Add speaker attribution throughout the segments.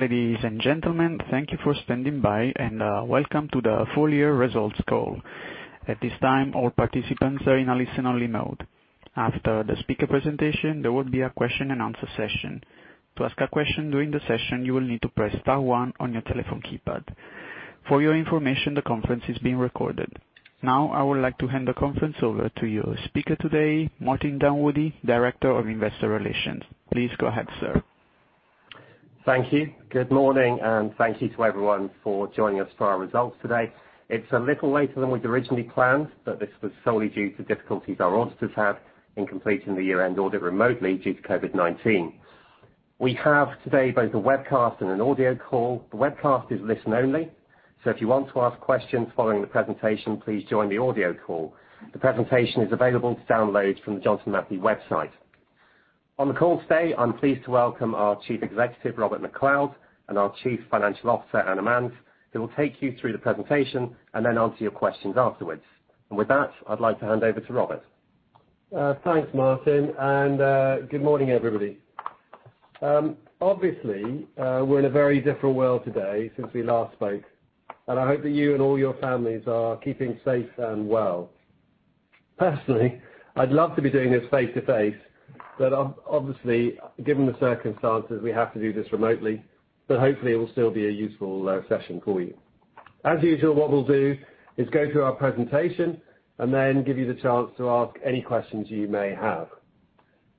Speaker 1: Ladies and gentlemen, thank you for standing by, and welcome to the full year results call. At this time, all participants are in a listen-only mode. After the speaker presentation, there will be a question-and-answer session. To ask a question during the session, you will need to press star one on your telephone keypad. For your information, the conference is being recorded. I would like to hand the conference over to your speaker today, Martin Dunwoodie, Director of Investor Relations. Please go ahead, sir.
Speaker 2: Thank you. Good morning, thank you to everyone for joining us for our results today. It's a little later than we'd originally planned, but this was solely due to difficulties our auditors had in completing the year-end audit remotely due to COVID-19. We have today both a webcast and an audio call. The webcast is listen only, so if you want to ask questions following the presentation, please join the audio call. The presentation is available to download from the Johnson Matthey website. On the call today, I'm pleased to welcome our Chief Executive, Robert MacLeod, and our Chief Financial Officer, Anna Manz, who will take you through the presentation and then answer your questions afterwards. With that, I'd like to hand over to Robert.
Speaker 3: Thanks, Martin. Good morning, everybody. We're in a very different world today since we last spoke, and I hope that you and all your families are keeping safe and well. I'd love to be doing this face-to-face, but obviously, given the circumstances, we have to do this remotely. Hopefully, it will still be a useful session for you. What we'll do is go through our presentation and then give you the chance to ask any questions you may have.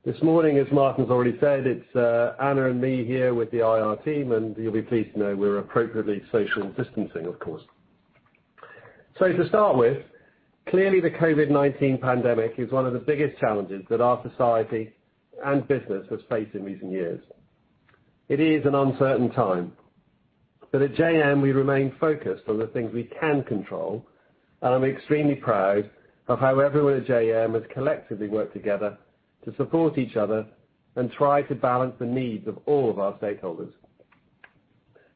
Speaker 3: As Martin's already said, it's Anna and me here with the IR team, and you'll be pleased to know we're appropriately social distancing, of course. To start with, the COVID-19 pandemic is one of the biggest challenges that our society and business has faced in recent years. It is an uncertain time. At JM, we remain focused on the things we can control, and I'm extremely proud of how everyone at JM has collectively worked together to support each other and try to balance the needs of all of our stakeholders.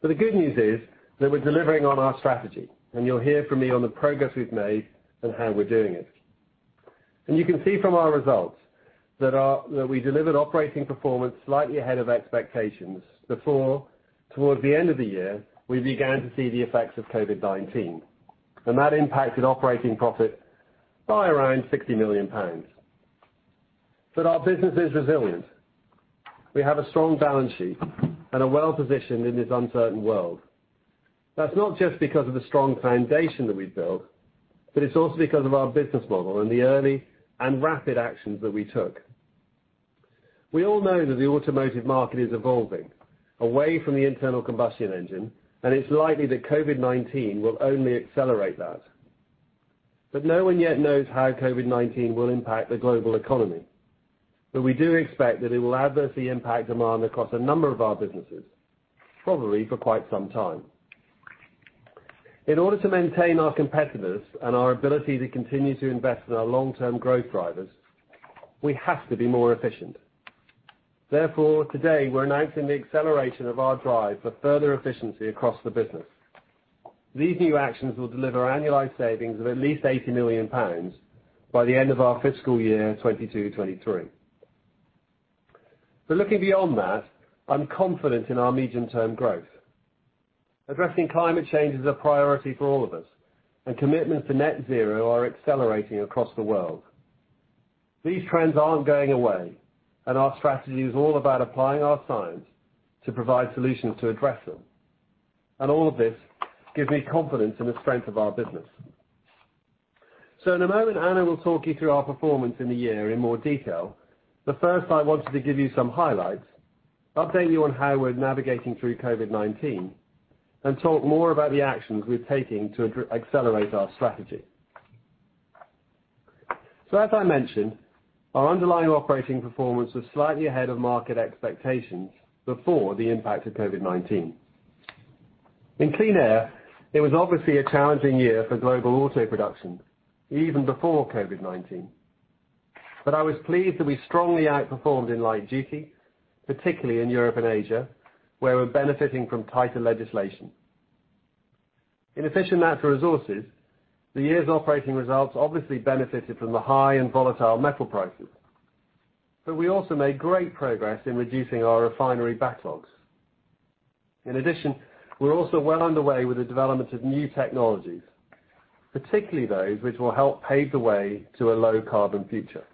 Speaker 3: The good news is that we're delivering on our strategy, and you'll hear from me on the progress we've made and how we're doing it. You can see from our results that we delivered operating performance slightly ahead of expectations before, towards the end of the year, we began to see the effects of COVID-19, and that impacted operating profit by around 60 million pounds. Our business is resilient. We have a strong balance sheet and are well-positioned in this uncertain world. That's not just because of the strong foundation that we've built, but it's also because of our business model and the early and rapid actions that we took. We all know that the automotive market is evolving away from the internal combustion engine, and it's likely that COVID-19 will only accelerate that. No one yet knows how COVID-19 will impact the global economy, but we do expect that it will adversely impact demand across a number of our businesses, probably for quite some time. In order to maintain our competitiveness and our ability to continue to invest in our long-term growth drivers, we have to be more efficient. Therefore, today we're announcing the acceleration of our drive for further efficiency across the business. These new actions will deliver annualized savings of at least 80 million pounds by the end of our fiscal year 2022, 2023. Looking beyond that, I'm confident in our medium-term growth. Addressing climate change is a priority for all of us, and commitments to net zero are accelerating across the world. These trends aren't going away, and our strategy is all about applying our science to provide solutions to address them. All of this gives me confidence in the strength of our business. In a moment, Anna will talk you through our performance in the year in more detail. First, I wanted to give you some highlights, update you on how we're navigating through COVID-19, and talk more about the actions we're taking to accelerate our strategy. As I mentioned, our underlying operating performance was slightly ahead of market expectations before the impact of COVID-19. In Clean Air, it was obviously a challenging year for global auto production even before COVID-19. I was pleased that we strongly outperformed in light duty, particularly in Europe and Asia, where we're benefiting from tighter legislation. In Efficient Natural Resources, the year's operating results obviously benefited from the high and volatile metal prices. We also made great progress in reducing our refinery backlogs. In addition, we're also well underway with the development of new technologies, particularly those which will help pave the way to a low-carbon future.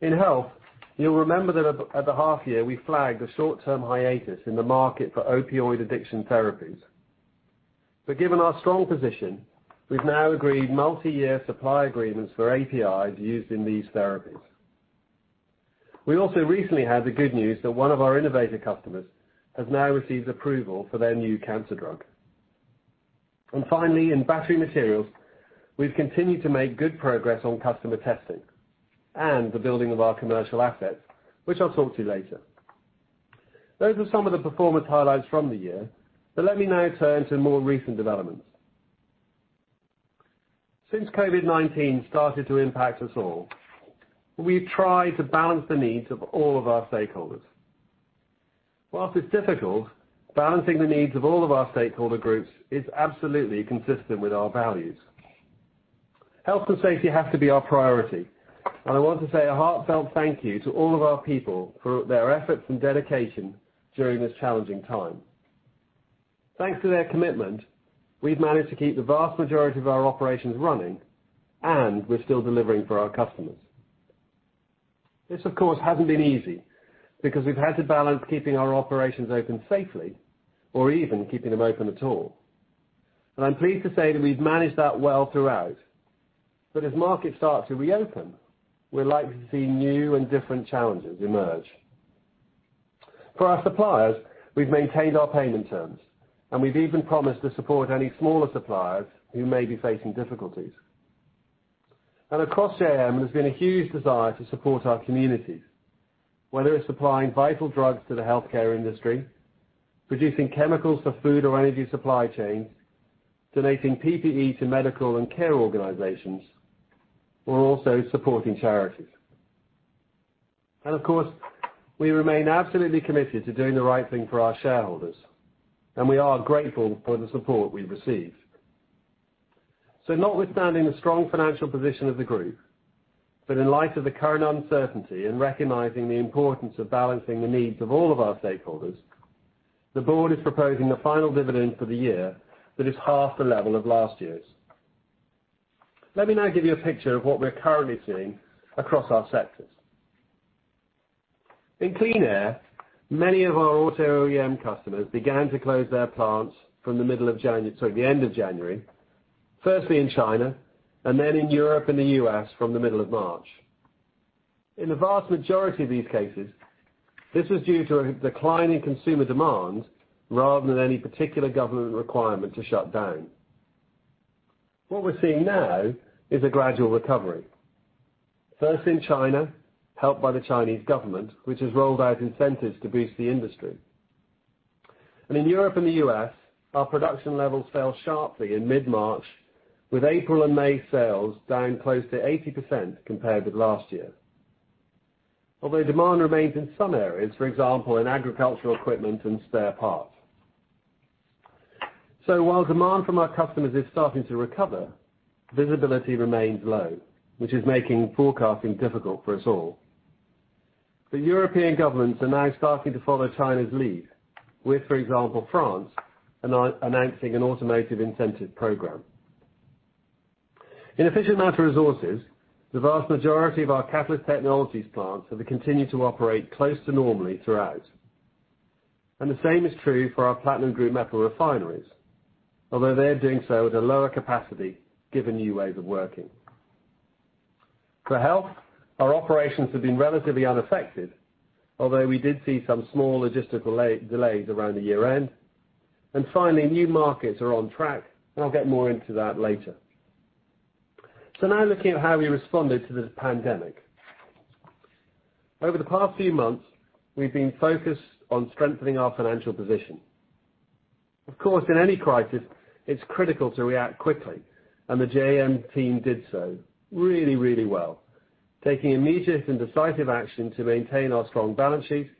Speaker 3: In Health, you'll remember that at the half year, we flagged a short-term hiatus in the market for opioid addiction therapies. Given our strong position, we've now agreed multi-year supply agreements for APIs used in these therapies. We also recently had the good news that one of our innovator customers has now received approval for their new cancer drug. Finally, in Battery Materials, we've continued to make good progress on customer testing and the building of our commercial assets, which I'll talk to you later. Those were some of the performance highlights from the year. Let me now turn to more recent developments. Since COVID-19 started to impact us all, we've tried to balance the needs of all of our stakeholders. Whilst it's difficult, balancing the needs of all of our stakeholder groups is absolutely consistent with our values. Health and safety have to be our priority, and I want to say a heartfelt thank you to all of our people for their efforts and dedication during this challenging time. Thanks to their commitment, we've managed to keep the vast majority of our operations running, and we're still delivering for our customers. This, of course, hasn't been easy, because we've had to balance keeping our operations open safely or even keeping them open at all. I'm pleased to say that we've managed that well throughout. As markets start to reopen, we're likely to see new and different challenges emerge. For our suppliers, we've maintained our payment terms, and we've even promised to support any smaller suppliers who may be facing difficulties. Across JM, there's been a huge desire to support our communities, whether it's supplying vital drugs to the healthcare industry, producing chemicals for food or energy supply chains, donating PPE to medical and care organizations, or also supporting charities. Of course, we remain absolutely committed to doing the right thing for our shareholders, and we are grateful for the support we've received. Notwithstanding the strong financial position of the group, but in light of the current uncertainty and recognizing the importance of balancing the needs of all of our stakeholders, the board is proposing a final dividend for the year that is half the level of last year's. Let me now give you a picture of what we're currently seeing across our sectors. In Clean Air, many of our auto OEM customers began to close their plants from the end of January, firstly in China, and then in Europe and the U.S. from the middle of March. In the vast majority of these cases, this was due to a decline in consumer demand rather than any particular government requirement to shut down. What we're seeing now is a gradual recovery. First in China, helped by the Chinese government, which has rolled out incentives to boost the industry. In Europe and the U.S., our production levels fell sharply in mid-March, with April and May sales down close to 80% compared with last year. Although demand remains in some areas, for example, in agricultural equipment and spare parts. While demand from our customers is starting to recover, visibility remains low, which is making forecasting difficult for us all. The European governments are now starting to follow China's lead with, for example, France announcing an automotive incentive program. In Efficient Natural Resources, the vast majority of our Catalyst Technologies plants have continued to operate close to normally throughout. The same is true for our platinum group metal refineries, although they're doing so at a lower capacity given new ways of working. For Health, our operations have been relatively unaffected, although we did see some small logistical delays around the year-end. Finally, New Markets are on track. I'll get more into that later. Now looking at how we responded to this pandemic. Over the past few months, we've been focused on strengthening our financial position. Of course, in any crisis, it's critical to react quickly, and the JM team did so really, really well, taking immediate and decisive action to maintain our strong balance sheet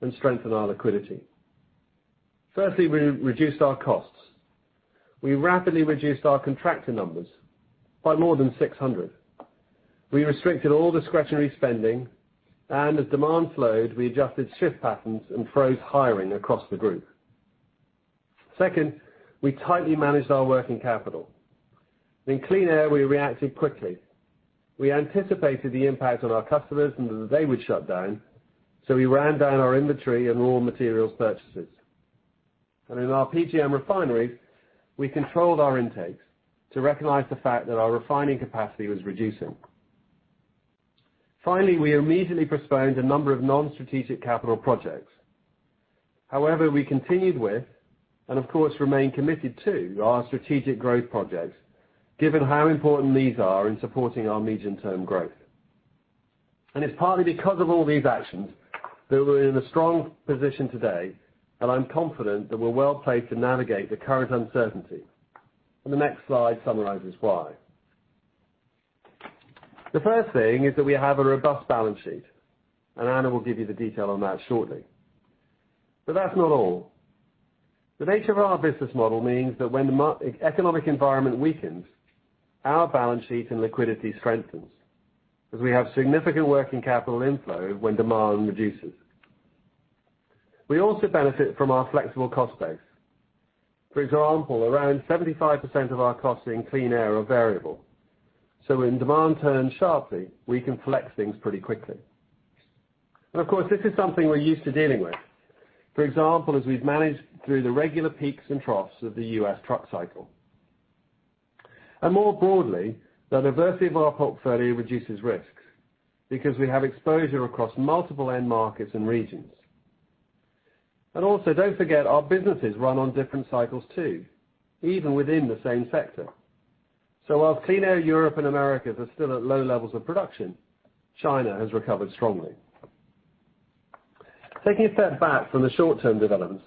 Speaker 3: and strengthen our liquidity. Firstly, we reduced our costs. We rapidly reduced our contractor numbers by more than 600. We restricted all discretionary spending, and as demand slowed, we adjusted shift patterns and froze hiring across the group. Second, we tightly managed our working capital. In Clean Air, we reacted quickly. We anticipated the impact on our customers and that they would shut down, so we ran down our inventory and raw materials purchases. In our PGM refineries, we controlled our intakes to recognize the fact that our refining capacity was reducing. Finally, we immediately postponed a number of non-strategic capital projects. We continued with, and of course, remain committed to our strategic growth projects, given how important these are in supporting our medium-term growth. It's partly because of all these actions that we're in a strong position today, and I'm confident that we're well-placed to navigate the current uncertainty. The next slide summarizes why. The first thing is that we have a robust balance sheet, and Anna will give you the detail on that shortly. That's not all. The nature of our business model means that when the economic environment weakens, our balance sheet and liquidity strengthens, as we have significant working capital inflow when demand reduces. We also benefit from our flexible cost base. For example, around 75% of our costs in Clean Air are variable. When demand turns sharply, we can flex things pretty quickly. Of course, this is something we're used to dealing with. For example, as we've managed through the regular peaks and troughs of the U.S. truck cycle. More broadly, the diversity of our portfolio reduces risks because we have exposure across multiple end markets and regions. Also, don't forget, our businesses run on different cycles too, even within the same sector. While Clean Air Europe and Americas are still at low levels of production, China has recovered strongly. Taking a step back from the short-term developments,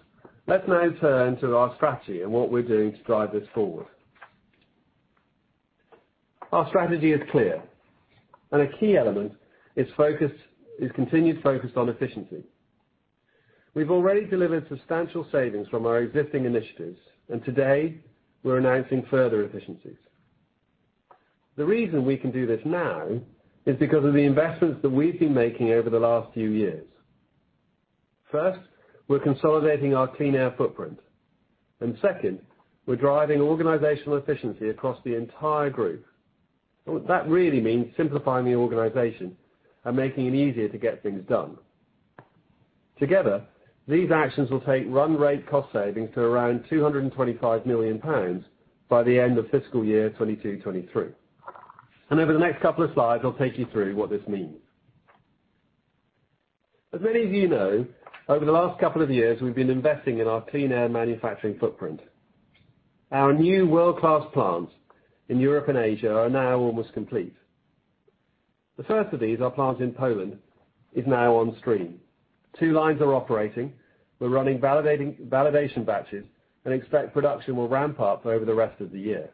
Speaker 3: let's now turn to our strategy and what we're doing to drive this forward. Our strategy is clear. A key element is continued focus on efficiency. We've already delivered substantial savings from our existing initiatives. Today, we're announcing further efficiencies. The reason we can do this now is because of the investments that we've been making over the last few years. First, we're consolidating our Clean Air footprint. Second, we're driving organizational efficiency across the entire group. What that really means, simplifying the organization and making it easier to get things done. Together, these actions will take run rate cost savings to around 225 million pounds by the end of fiscal year 2022/2023. Over the next couple of slides, I'll take you through what this means. As many of you know, over the last couple of years, we've been investing in our Clean Air manufacturing footprint. Our new world-class plants in Europe and Asia are now almost complete. The first of these, our plant in Poland, is now on stream. Two lines are operating. We're running validation batches and expect production will ramp up over the rest of the year.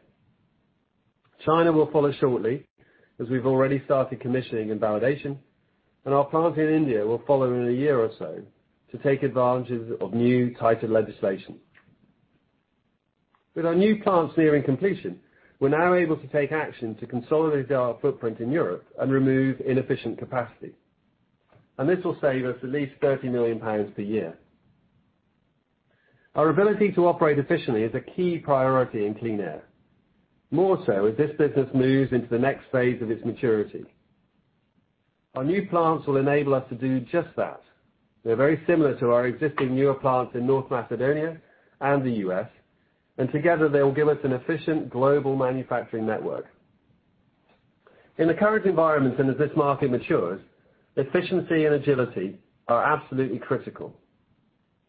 Speaker 3: China will follow shortly, as we've already started commissioning and validation, and our plant in India will follow in a year or so to take advantage of new tighter legislation. With our new plants nearing completion, we're now able to take action to consolidate our footprint in Europe and remove inefficient capacity. This will save us at least 30 million pounds per year. Our ability to operate efficiently is a key priority in Clean Air, more so as this business moves into the next phase of its maturity. Our new plants will enable us to do just that. They're very similar to our existing newer plants in North Macedonia and the U.S., and together they will give us an efficient global manufacturing network. In the current environment, and as this market matures, efficiency and agility are absolutely critical.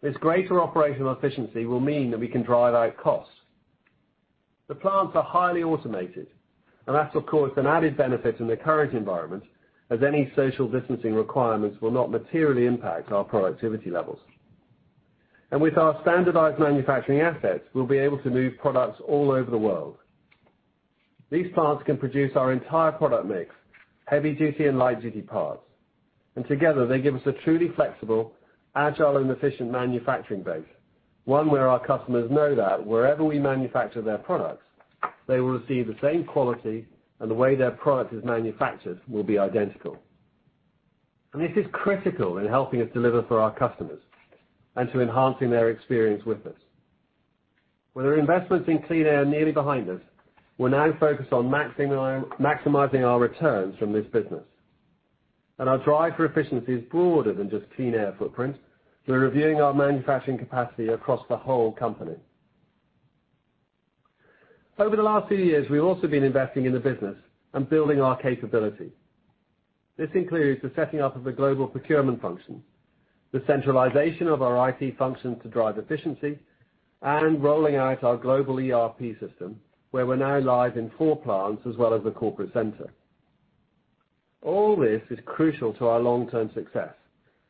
Speaker 3: This greater operational efficiency will mean that we can drive out costs. The plants are highly automated, and that's, of course, an added benefit in the current environment, as any social distancing requirements will not materially impact our productivity levels. With our standardized manufacturing assets, we'll be able to move products all over the world. These plants can produce our entire product mix, heavy-duty and light-duty parts. Together, they give us a truly flexible, agile, and efficient manufacturing base, one where our customers know that wherever we manufacture their products, they will receive the same quality and the way their product is manufactured will be identical. This is critical in helping us deliver for our customers and to enhancing their experience with us. With our investments in Clean Air nearly behind us, we're now focused on maximizing our returns from this business. Our drive for efficiency is broader than just Clean Air footprint. We're reviewing our manufacturing capacity across the whole company. Over the last few years, we've also been investing in the business and building our capability. This includes the setting up of a global procurement function, the centralization of our IT function to drive efficiency, and rolling out our global ERP system, where we're now live in four plants as well as the corporate center. All this is crucial to our long-term success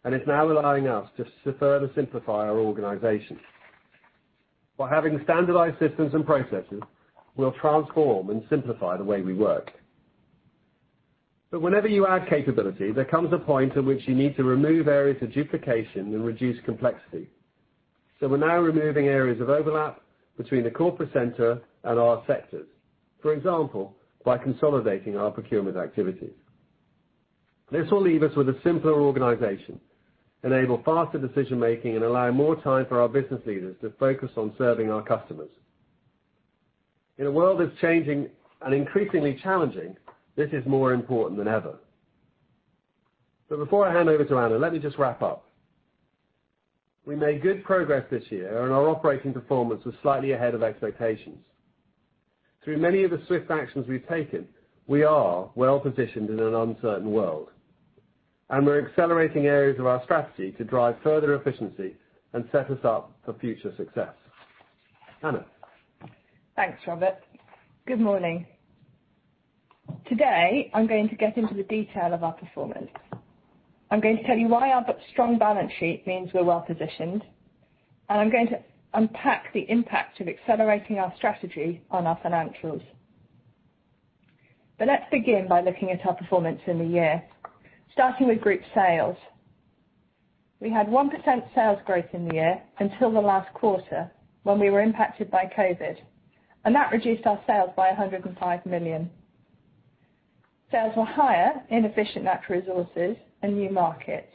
Speaker 3: and is now allowing us to further simplify our organization. By having standardized systems and processes, we'll transform and simplify the way we work. Whenever you add capability, there comes a point at which you need to remove areas of duplication and reduce complexity. We're now removing areas of overlap between the corporate center and our sectors. For example, by consolidating our procurement activities. This will leave us with a simpler organization, enable faster decision-making, and allow more time for our business leaders to focus on serving our customers. In a world that's changing and increasingly challenging, this is more important than ever. Before I hand over to Anna, let me just wrap up. We made good progress this year, and our operating performance was slightly ahead of expectations. Through many of the swift actions we've taken, we are well positioned in an uncertain world, and we're accelerating areas of our strategy to drive further efficiency and set us up for future success. Anna?
Speaker 4: Thanks, Robert. Good morning. Today, I'm going to get into the detail of our performance. I'm going to tell you why our strong balance sheet means we're well-positioned, and I'm going to unpack the impact of accelerating our strategy on our financials. Let's begin by looking at our performance in the year, starting with group sales. We had 1% sales growth in the year until the last quarter, when we were impacted by COVID, and that reduced our sales by 105 million. Sales were higher in Efficient Natural Resources and New Markets,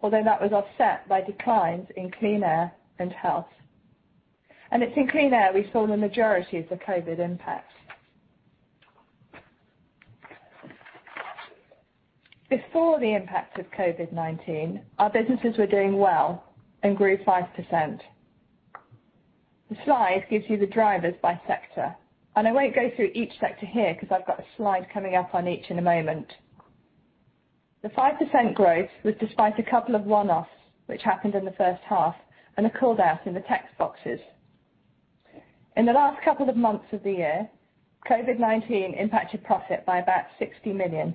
Speaker 4: although that was offset by declines in Clean Air and Health. It's in Clean Air we saw the majority of the COVID impact. Before the impact of COVID-19, our businesses were doing well and grew 5%. The slide gives you the drivers by sector, and I won't go through each sector here because I've got a slide coming up on each in a moment. The 5% growth was despite a couple of one-offs, which happened in the first half and are called out in the text boxes. In the last couple of months of the year, COVID-19 impacted profit by about 60 million,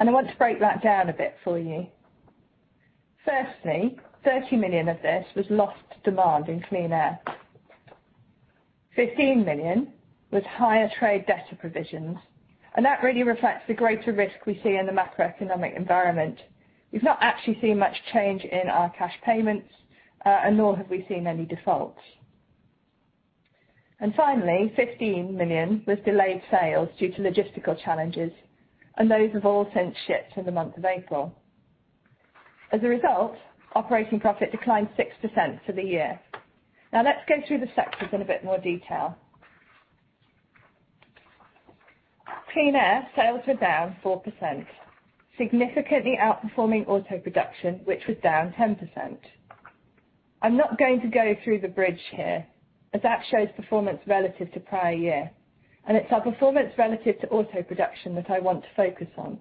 Speaker 4: and I want to break that down a bit for you. Firstly, 30 million of this was lost demand in Clean Air. 15 million with higher trade debtor provisions, and that really reflects the greater risk we see in the macroeconomic environment. We've not actually seen much change in our cash payments, and nor have we seen any defaults. Finally, 15 million with delayed sales due to logistical challenges, and those have all since shipped in the month of April. Operating profit declined 6% for the year. Let's go through the sectors in a bit more detail. Clean Air sales were down 4%, significantly outperforming auto production, which was down 10%. I'm not going to go through the bridge here as that shows performance relative to prior year, and it's our performance relative to auto production that I want to focus on.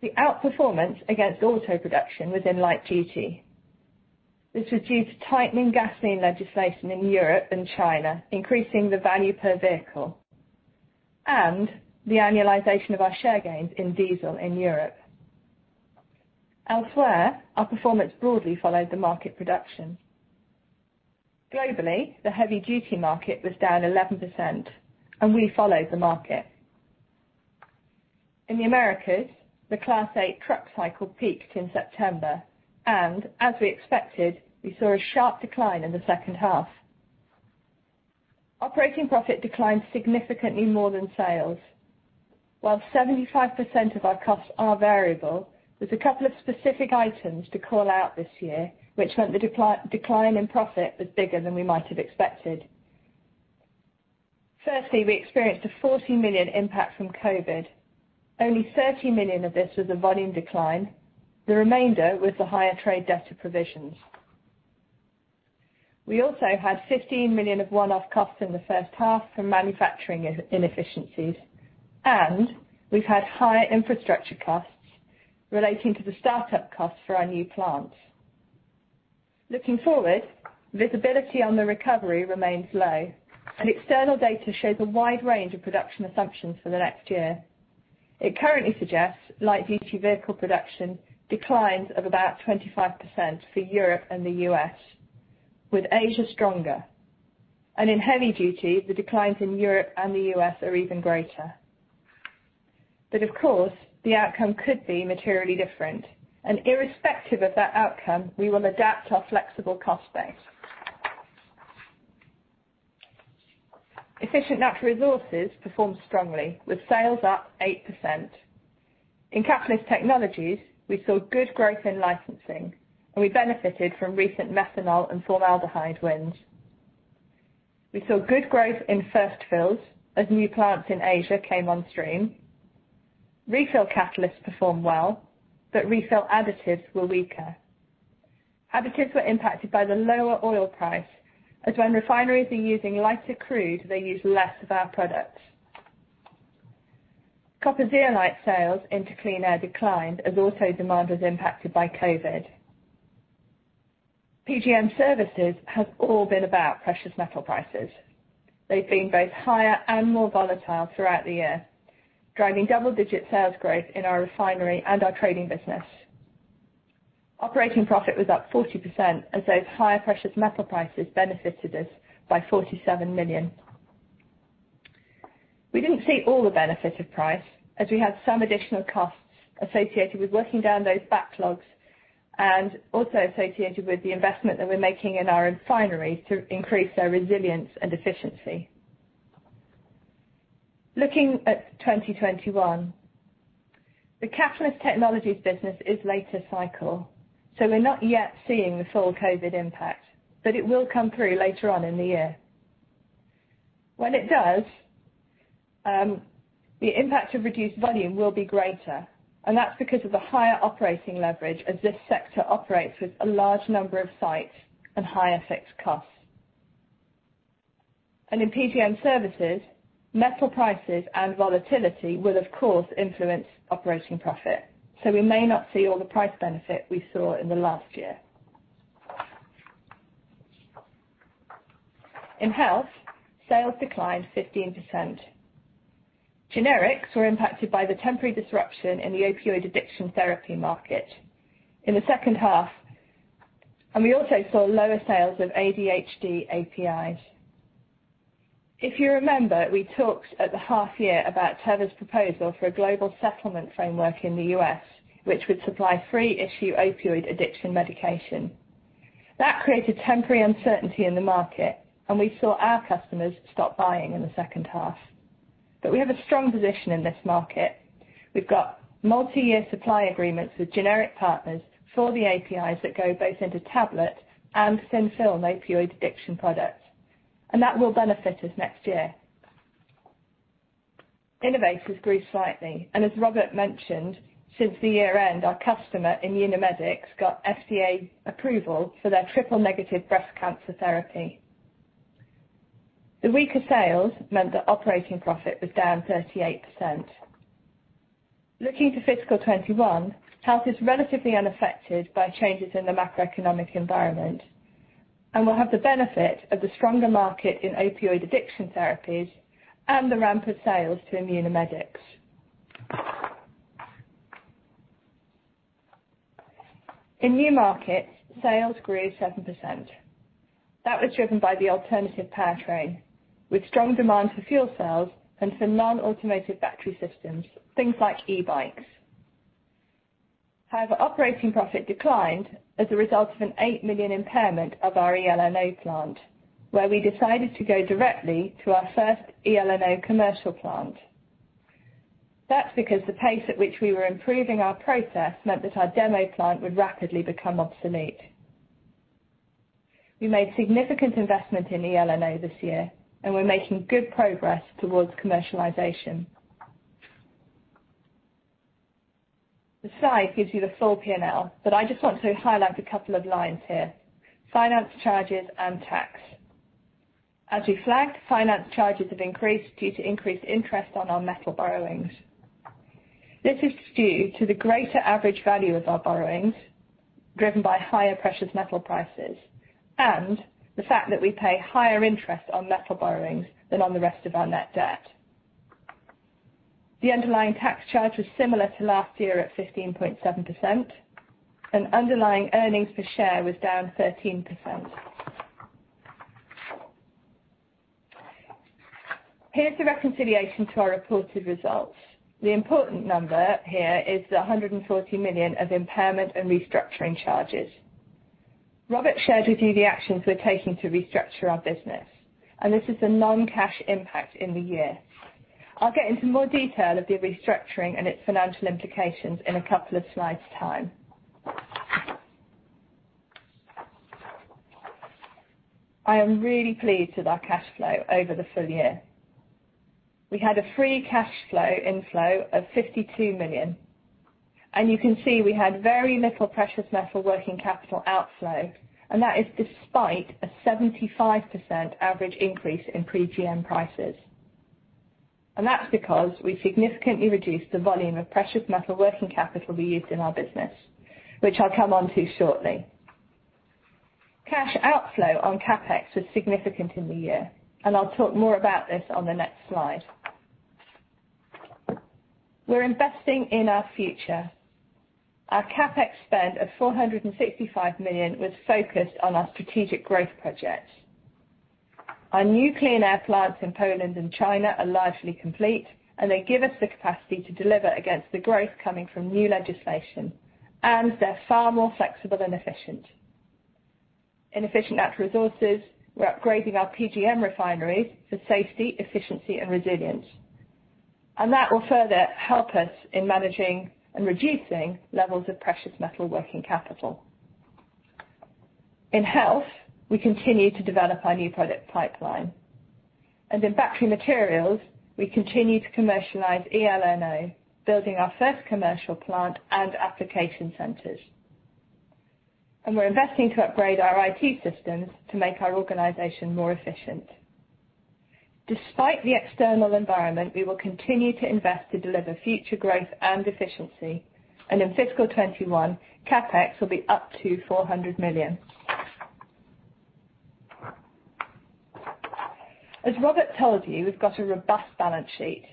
Speaker 4: The outperformance against auto production was in light duty. This was due to tightening gasoline legislation in Europe and China, increasing the value per vehicle, and the annualization of our share gains in diesel in Europe. Elsewhere, our performance broadly followed the market production. Globally, the heavy duty market was down 11%, and we followed the market. In the Americas, the Class 8 truck cycle peaked in September, and as we expected, we saw a sharp decline in the second half. Operating profit declined significantly more than sales. While 75% of our costs are variable, there's a couple of specific items to call out this year, which meant the decline in profit was bigger than we might have expected. Firstly, we experienced a 40 million impact from COVID. Only 30 million of this was a volume decline, the remainder was the higher trade debtor provisions. We also had 15 million of one-off costs in the first half from manufacturing inefficiencies, and we've had higher infrastructure costs relating to the start-up costs for our new plants. Looking forward, visibility on the recovery remains low, and external data shows a wide range of production assumptions for the next year. It currently suggests light duty vehicle production declines of about 25% for Europe and the U.S., with Asia stronger. In heavy duty, the declines in Europe and the U.S. are even greater. Of course, the outcome could be materially different. Irrespective of that outcome, we will adapt our flexible cost base. Efficient Natural Resources performed strongly with sales up 8%. In Catalyst Technologies, we saw good growth in licensing, and we benefited from recent methanol and formaldehyde wins. We saw good growth in first fills as new plants in Asia came on stream. Refill catalysts performed well. Refill additives were weaker. Additives were impacted by the lower oil price, as when refineries are using lighter crude, they use less of our products. copper zeolite sales into Clean Air declined as auto demand was impacted by COVID. PGM Services has all been about precious metal prices. They've been both higher and more volatile throughout the year, driving double-digit sales growth in our refinery and our trading business. Operating profit was up 40% as those higher precious metal prices benefited us by 47 million. We didn't see all the benefit of price as we had some additional costs associated with working down those backlogs and also associated with the investment that we're making in our refineries to increase their resilience and efficiency. Looking at 2021, the Catalyst Technologies business is later cycle, we're not yet seeing the full COVID impact, but it will come through later on in the year. When it does, the impact of reduced volume will be greater, that's because of the higher operating leverage as this sector operates with a large number of sites and higher fixed costs. In PGM Services, metal prices and volatility will, of course, influence operating profit. We may not see all the price benefit we saw in the last year. In Health, sales declined 15%. Generics were impacted by the temporary disruption in the opioid addiction therapy market in the second half. We also saw lower sales of ADHD APIs. If you remember, we talked at the half year about Teva's proposal for a global settlement framework in the U.S., which would supply free issue opioid addiction medication. That created temporary uncertainty in the market. We saw our customers stop buying in the second half. We have a strong position in this market. We've got multi-year supply agreements with generic partners for the APIs that go both into tablet and thin film opioid addiction products. That will benefit us next year. Innovators grew slightly. As Robert mentioned, since the year-end, our customer, Immunomedics, got FDA approval for their triple-negative breast cancer therapy. The weaker sales meant that operating profit was down 38%. Looking to fiscal 2021, Health is relatively unaffected by changes in the macroeconomic environment and will have the benefit of the stronger market in opioid addiction therapies and the ramp of sales to Immunomedics. New Markets, sales grew 7%. That was driven by the alternative powertrain, with strong demand for fuel cells and for non-automotive battery systems, things like e-bikes. Operating profit declined as a result of a 8 million impairment of our eLNO plant, where we decided to go directly to our first eLNO commercial plant. That's because the pace at which we were improving our process meant that our demo plant would rapidly become obsolete. We made significant investment in eLNO this year, we're making good progress towards commercialization. The slide gives you the full P&L, I just want to highlight a couple of lines here, finance charges and tax. As we flagged, finance charges have increased due to increased interest on our metal borrowings. This is due to the greater average value of our borrowings, driven by higher precious metal prices, and the fact that we pay higher interest on metal borrowings than on the rest of our net debt. The underlying tax charge was similar to last year at 15.7%, and underlying earnings per share was down 13%. Here's the reconciliation to our reported results. The important number here is the 140 million of impairment and restructuring charges. Robert shared with you the actions we're taking to restructure our business, and this is a non-cash impact in the year. I'll get into more detail of the restructuring and its financial implications in a couple of slides' time. I am really pleased with our cash flow over the full year. We had a free cash flow inflow of 52 million, you can see we had very little precious metal working capital outflow, and that is despite a 75% average increase in PGM prices. That's because we significantly reduced the volume of precious metal working capital we used in our business, which I'll come onto shortly. Cash outflow on CapEx was significant in the year, I'll talk more about this on the next slide. We're investing in our future. Our CapEx spend of 465 million was focused on our strategic growth projects. Our new Clean Air plants in Poland and China are largely complete, they give us the capacity to deliver against the growth coming from new legislation, they're far more flexible and efficient. In Efficient Natural Resources, we're upgrading our PGM refineries for safety, efficiency, and resilience. That will further help us in managing and reducing levels of precious metal working capital. In Health, we continue to develop our new product pipeline. In Battery Materials, we continue to commercialize eLNO, building our first commercial plant and application centers. We're investing to upgrade our IT systems to make our organization more efficient. Despite the external environment, we will continue to invest to deliver future growth and efficiency. In fiscal 2021, CapEx will be up to 400 million. As Robert told you, we've got a robust balance sheet.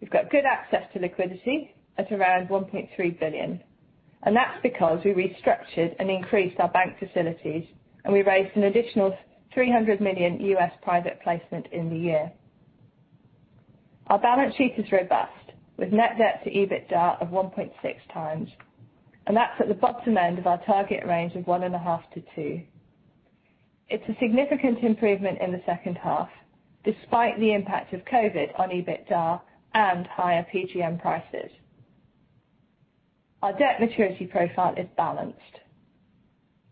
Speaker 4: We've got good access to liquidity at around 1.3 billion, and that's because we restructured and increased our bank facilities, and we raised an additional $300 million U.S. private placement in the year. Our balance sheet is robust with net debt to EBITDA of 1.6x, that's at the bottom end of our target range of 1.5x-2x. It's a significant improvement in the second half, despite the impact of COVID on EBITDA and higher PGM prices. Our debt maturity profile is balanced,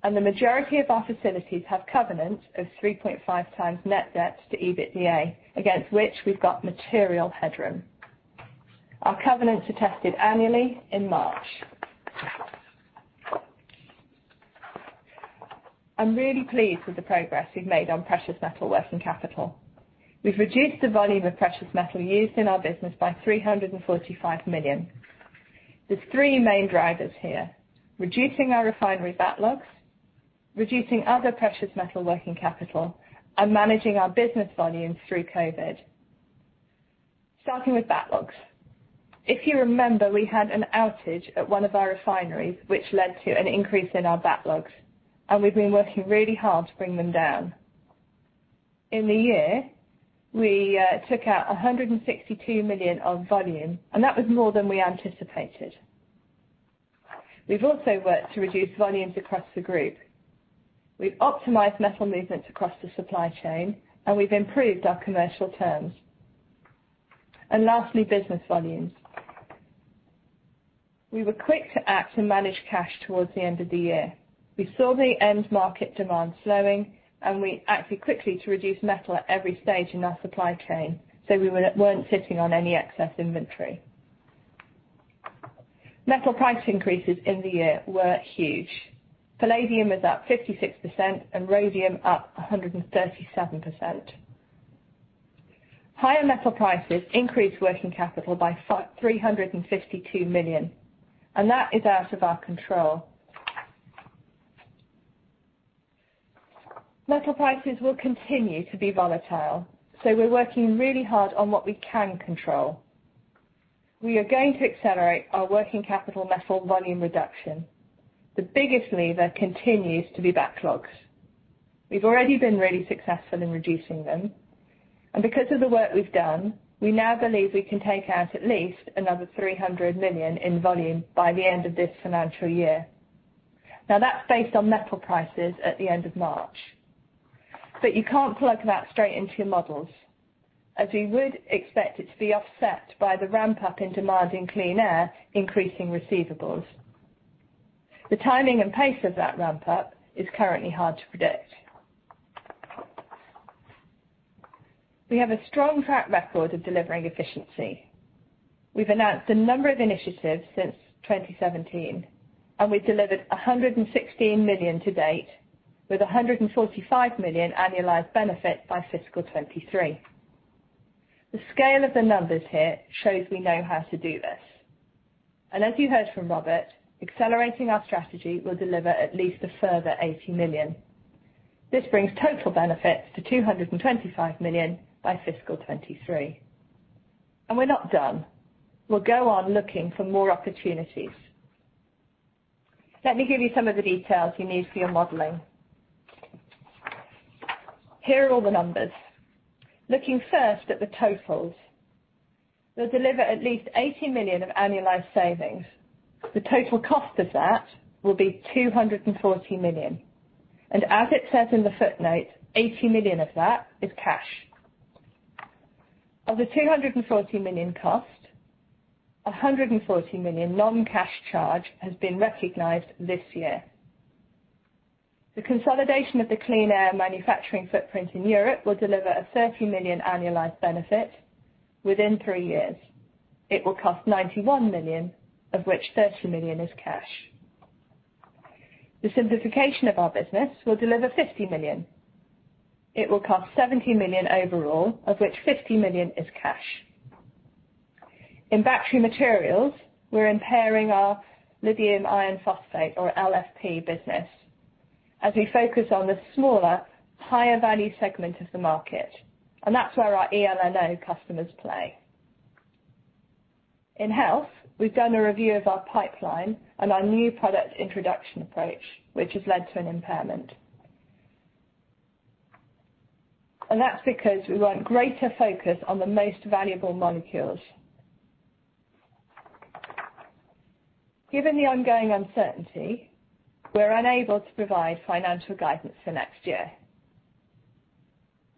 Speaker 4: the majority of our facilities have covenants of 3.5x net debt to EBITDA, against which we've got material headroom. Our covenants are tested annually in March. I'm really pleased with the progress we've made on precious metal working capital. We've reduced the volume of precious metal used in our business by 345 million. There's three main drivers here: reducing our refinery backlogs, reducing other precious metal working capital, and managing our business volumes through COVID. Starting with backlogs. If you remember, we had an outage at one of our refineries, which led to an increase in our backlogs, and we've been working really hard to bring them down. In the year, we took out 162 million of volume, and that was more than we anticipated. We've also worked to reduce volumes across the group. We've optimized metal movements across the supply chain, and we've improved our commercial terms. Lastly, business volumes, we were quick to act and manage cash towards the end of the year. We saw the end market demand slowing, and we acted quickly to reduce metal at every stage in our supply chain, so we weren't sitting on any excess inventory. Metal price increases in the year were huge. Palladium was up 56% and rhodium up 137%. Higher metal prices increased working capital by 352 million. That is out of our control. Metal prices will continue to be volatile. We're working really hard on what we can control. We are going to accelerate our working capital metal volume reduction. The biggest lever continues to be backlogs. We've already been really successful in reducing them. Because of the work we've done, we now believe we can take out at least another 300 million in volume by the end of this financial year. Now, that's based on metal prices at the end of March. You can't plug that straight into your models, as we would expect it to be offset by the ramp-up in demand in Clean Air, increasing receivables. The timing and pace of that ramp-up is currently hard to predict. We have a strong track record of delivering efficiency. We've announced a number of initiatives since 2017. We delivered 116 million to date, with 145 million annualized benefit by fiscal 2023. The scale of the numbers here shows we know how to do this. As you heard from Robert, accelerating our strategy will deliver at least a further 80 million. This brings total benefits to 225 million by fiscal 2023. We're not done. We'll go on looking for more opportunities. Let me give you some of the details you need for your modeling. Here are all the numbers. Looking first at the totals, we'll deliver at least 80 million of annualized savings. The total cost of that will be 240 million, and as it says in the footnote, 80 million of that is cash. Of the 240 million cost, 140 million non-cash charge has been recognized this year. The consolidation of the Clean Air manufacturing footprint in Europe will deliver a 30 million annualized benefit within three years. It will cost 91 million, of which 30 million is cash. The simplification of our business will deliver 50 million. It will cost 70 million overall, of which 50 million is cash. In Battery Materials, we're impairing our lithium iron phosphate, or LFP, business as we focus on the smaller, higher value segment of the market, and that's where our eLNO customers play. In Health, we've done a review of our pipeline and our new product introduction approach, which has led to an impairment. That's because we want greater focus on the most valuable molecules. Given the ongoing uncertainty, we're unable to provide financial guidance for next year.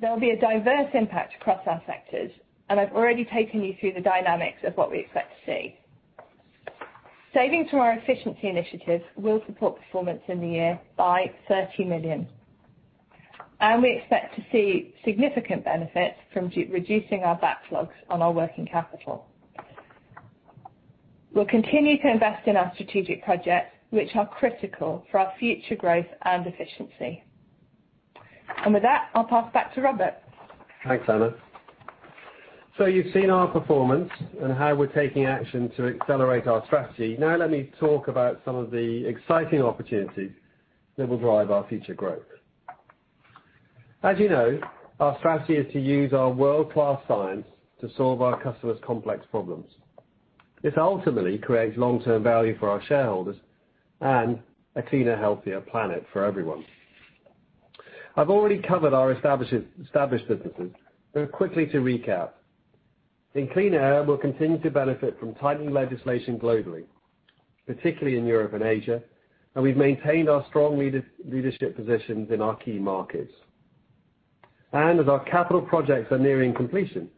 Speaker 4: There will be a diverse impact across our sectors, and I've already taken you through the dynamics of what we expect to see. Savings from our efficiency initiatives will support performance in the year by 30 million, and we expect to see significant benefits from reducing our backlogs on our working capital. We'll continue to invest in our strategic projects, which are critical for our future growth and efficiency. With that, I'll pass back to Robert.
Speaker 3: Thanks, Anna. You've seen our performance and how we're taking action to accelerate our strategy. Now let me talk about some of the exciting opportunities that will drive our future growth. As you know, our strategy is to use our world-class science to solve our customers' complex problems. This ultimately creates long-term value for our shareholders and a cleaner, healthier planet for everyone. I've already covered our established businesses, quickly to recap. In Clean Air, we'll continue to benefit from tightening legislation globally, particularly in Europe and Asia, we've maintained our strong leadership positions in our key markets. As our capital projects are nearing completion,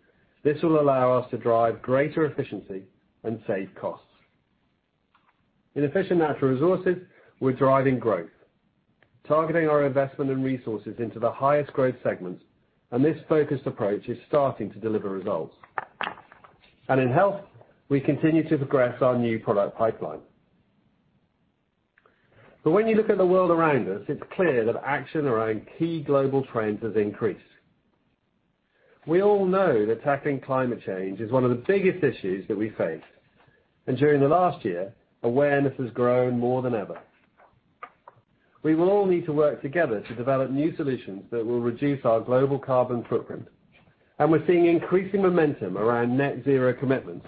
Speaker 3: this will allow us to drive greater efficiency and save costs. In Efficient Natural Resources, we're driving growth, targeting our investment and resources into the highest growth segments, this focused approach is starting to deliver results. In Health, we continue to progress our new product pipeline. When you look at the world around us, it's clear that action around key global trends has increased. We all know that tackling climate change is one of the biggest issues that we face, and during the last year, awareness has grown more than ever. We will all need to work together to develop new solutions that will reduce our global carbon footprint, and we're seeing increasing momentum around net zero commitments,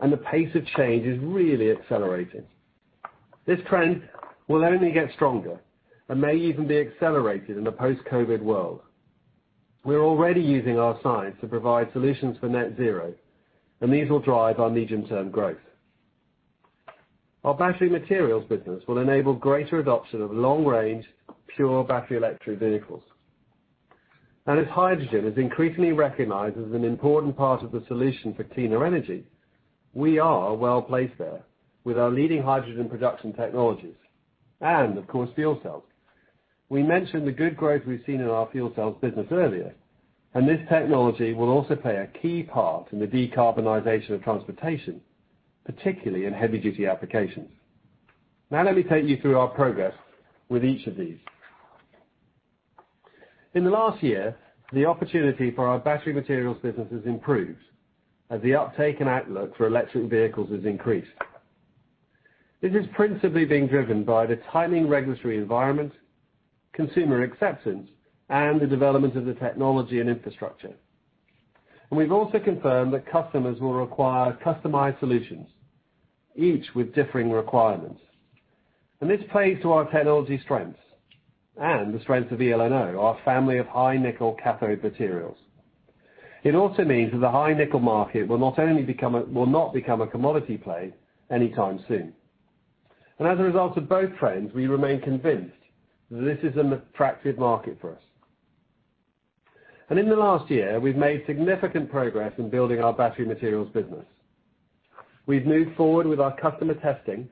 Speaker 3: and the pace of change is really accelerating. This trend will only get stronger and may even be accelerated in a post-COVID world. We're already using our science to provide solutions for net zero, and these will drive our medium-term growth. Our Battery Materials business will enable greater adoption of long-range pure battery electric vehicles. As hydrogen is increasingly recognized as an important part of the solution for cleaner energy, we are well placed there with our leading hydrogen production technologies and, of course, fuel cells. We mentioned the good growth we've seen in our fuel cells business earlier, and this technology will also play a key part in the decarbonization of transportation, particularly in heavy-duty applications. Now let me take you through our progress with each of these. In the last year, the opportunity for our Battery Materials business has improved as the uptake and outlook for electric vehicles has increased. This is principally being driven by the tightening regulatory environment, consumer acceptance, and the development of the technology and infrastructure. We've also confirmed that customers will require customized solutions, each with differing requirements. This plays to our technology strengths and the strengths of eLNO, our family of high nickel cathode materials. It also means that the high nickel market will not become a commodity play anytime soon. As a result of both trends, we remain convinced that this is an attractive market for us. In the last year, we've made significant progress in building our Battery Materials business. We've moved forward with our customer testing,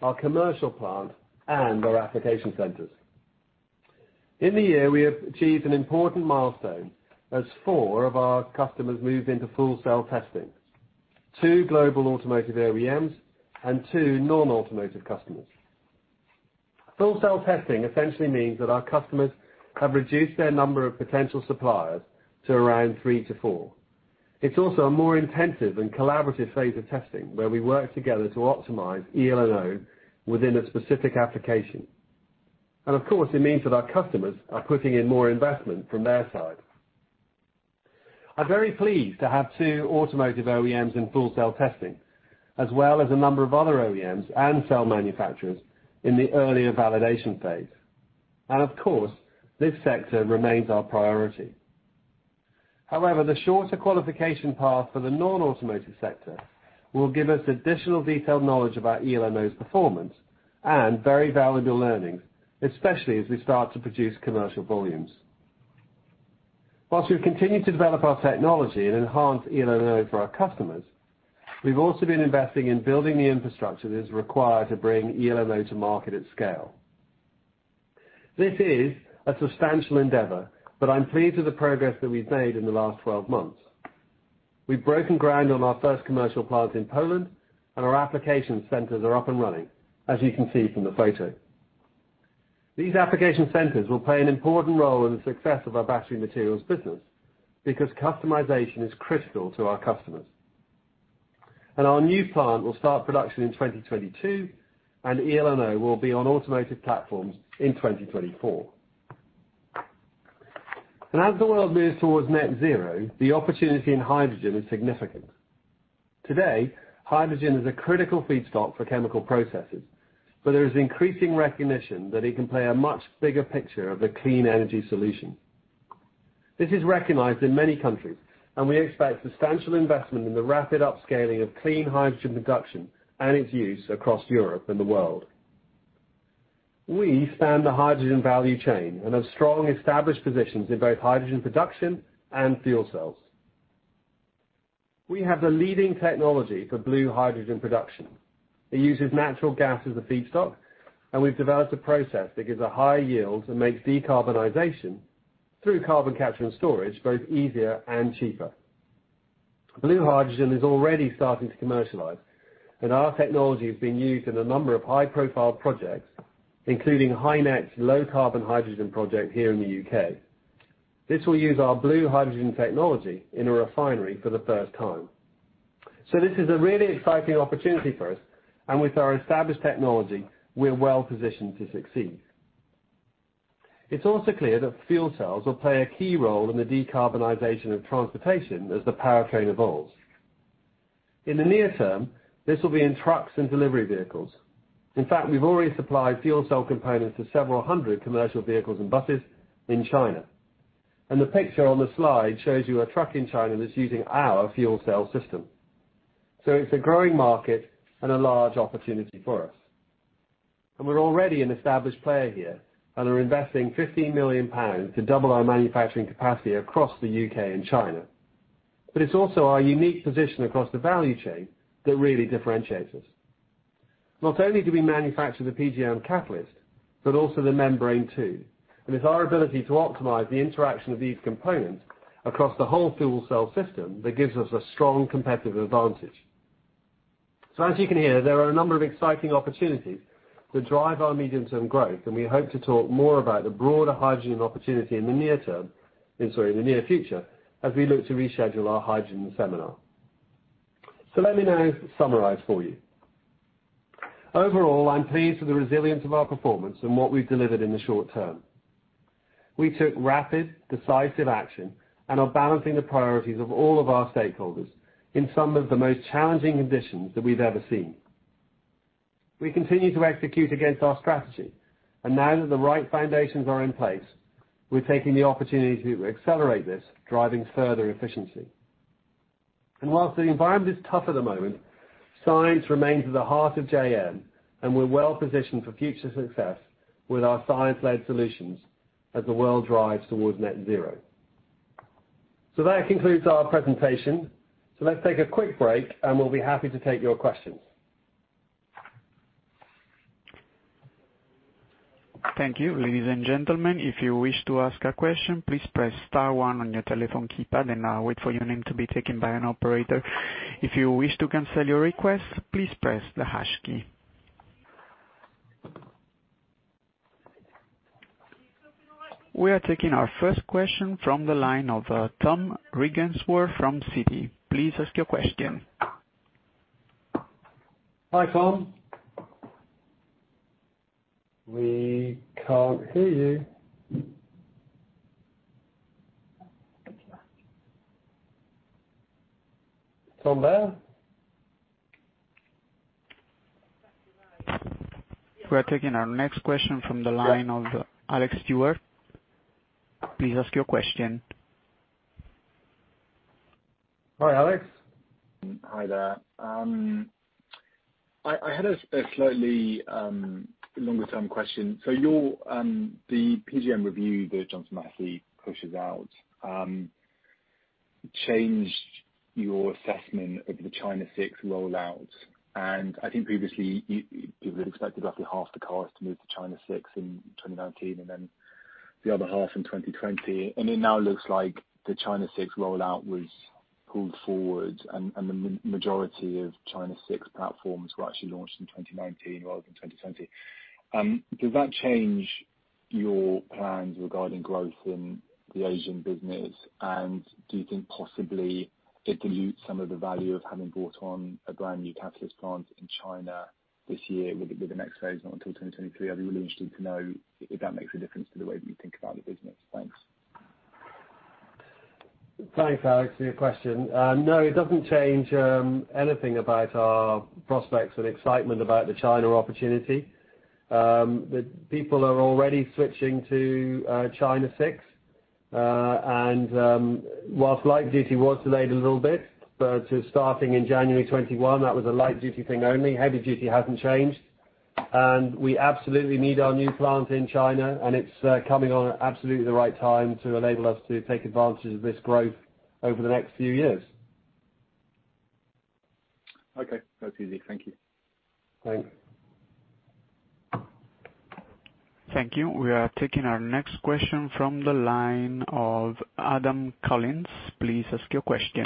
Speaker 3: our commercial plant, and our application centers. In the year, we have achieved an important milestone as four of our customers moved into full cell testing, two global automotive OEMs and two non-automotive customers. Full cell testing essentially means that our customers have reduced their number of potential suppliers to around three to four. It's also a more intensive and collaborative phase of testing where we work together to optimize eLNO within a specific application. Of course, it means that our customers are putting in more investment from their side. I'm very pleased to have two automotive OEMs in full cell testing, as well as a number of other OEMs and cell manufacturers in the earlier validation phase. Of course, this sector remains our priority. However, the shorter qualification path for the non-automotive sector will give us additional detailed knowledge about eLNO's performance and very valuable learnings, especially as we start to produce commercial volumes. While we've continued to develop our technology and enhance eLNO for our customers, we've also been investing in building the infrastructure that is required to bring eLNO to market at scale. This is a substantial endeavor, but I'm pleased with the progress that we've made in the last 12 months. We've broken ground on our first commercial plant in Poland, our application centers are up and running, as you can see from the photo. These application centers will play an important role in the success of our Battery Materials business because customization is critical to our customers. Our new plant will start production in 2022, and eLNO will be on automotive platforms in 2024. As the world moves towards net zero, the opportunity in hydrogen is significant. Today, hydrogen is a critical feedstock for chemical processes, but there is increasing recognition that it can play a much bigger picture of the clean energy solution. This is recognized in many countries, and we expect substantial investment in the rapid upscaling of clean hydrogen production and its use across Europe and the world. We span the hydrogen value chain and have strong established positions in both hydrogen production and fuel cells. We have the leading technology for blue hydrogen production. It uses natural gas as a feedstock. We've developed a process that gives a high yield and makes decarbonization through carbon capture and storage both easier and cheaper. Blue hydrogen is already starting to commercialize. Our technology is being used in a number of high-profile projects, including HyNet's low carbon hydrogen project here in the U.K. This will use our blue hydrogen technology in a refinery for the first time. This is a really exciting opportunity for us. With our established technology, we are well positioned to succeed. It's also clear that fuel cells will play a key role in the decarbonization of transportation as the powertrain evolves. In the near term, this will be in trucks and delivery vehicles. In fact, we've already supplied fuel cell components to several hundred commercial vehicles and buses in China. The picture on the slide shows you a truck in China that's using our fuel cell system. It's a growing market and a large opportunity for us. We're already an established player here and are investing 15 million pounds to double our manufacturing capacity across the U.K. and China. It's also our unique position across the value chain that really differentiates us. Not only do we manufacture the PGM catalyst, but also the membrane too, and it's our ability to optimize the interaction of these components across the whole fuel cell system that gives us a strong competitive advantage. As you can hear, there are a number of exciting opportunities to drive our medium-term growth, and we hope to talk more about the broader hydrogen opportunity in the near future as we look to reschedule our hydrogen seminar. Let me now summarize for you. Overall, I'm pleased with the resilience of our performance and what we've delivered in the short term. We took rapid, decisive action and are balancing the priorities of all of our stakeholders in some of the most challenging conditions that we've ever seen. Now that the right foundations are in place, we're taking the opportunity to accelerate this, driving further efficiency. Whilst the environment is tough at the moment, science remains at the heart of JM, and we're well positioned for future success with our science-led solutions as the world drives towards net zero. That concludes our presentation. Let's take a quick break, and we'll be happy to take your questions.
Speaker 1: Thank you. Ladies and gentlemen, if you wish to ask a question, please press star one on your telephone keypad and wait for your name to be taken by an operator. If you wish to cancel your request, please press the hash key. We are taking our first question from the line of Tom Wrigglesworth from Citi. Please ask your question.
Speaker 3: Hi, Tom. We can't hear you. Tom there?
Speaker 1: We are taking our next question from the line of Alex Stewart. Please ask your question.
Speaker 3: Hi, Alex.
Speaker 5: Hi there. I had a slightly longer-term question. The PGM review that Johnson Matthey pushes out changed your assessment of the China VI rollout. I think previously, people had expected roughly half the cars to move to China VI in 2019 and then the other half in 2020. It now looks like the China VI rollout was pulled forward and the majority of China VI platforms were actually launched in 2019 rather than 2020. Does that change your plans regarding growth in the Asian business? Do you think possibly it dilutes some of the value of having brought on a brand new catalyst plant in China this year with the next phase not until 2023? I'd be really interested to know if that makes a difference to the way that you think about the business. Thanks.
Speaker 3: Thanks, Alex, for your question. No, it doesn't change anything about our prospects and excitement about the China opportunity. People are already switching to China VI. Whilst light duty was delayed a little bit to starting in January 2021, that was a light duty thing only. Heavy duty hasn't changed. We absolutely need our new plant in China, and it's coming on at absolutely the right time to enable us to take advantage of this growth over the next few years.
Speaker 5: Okay. That's easy. Thank you.
Speaker 3: Thanks.
Speaker 1: Thank you. We are taking our next question from the line of Adam Collins. Please ask your question.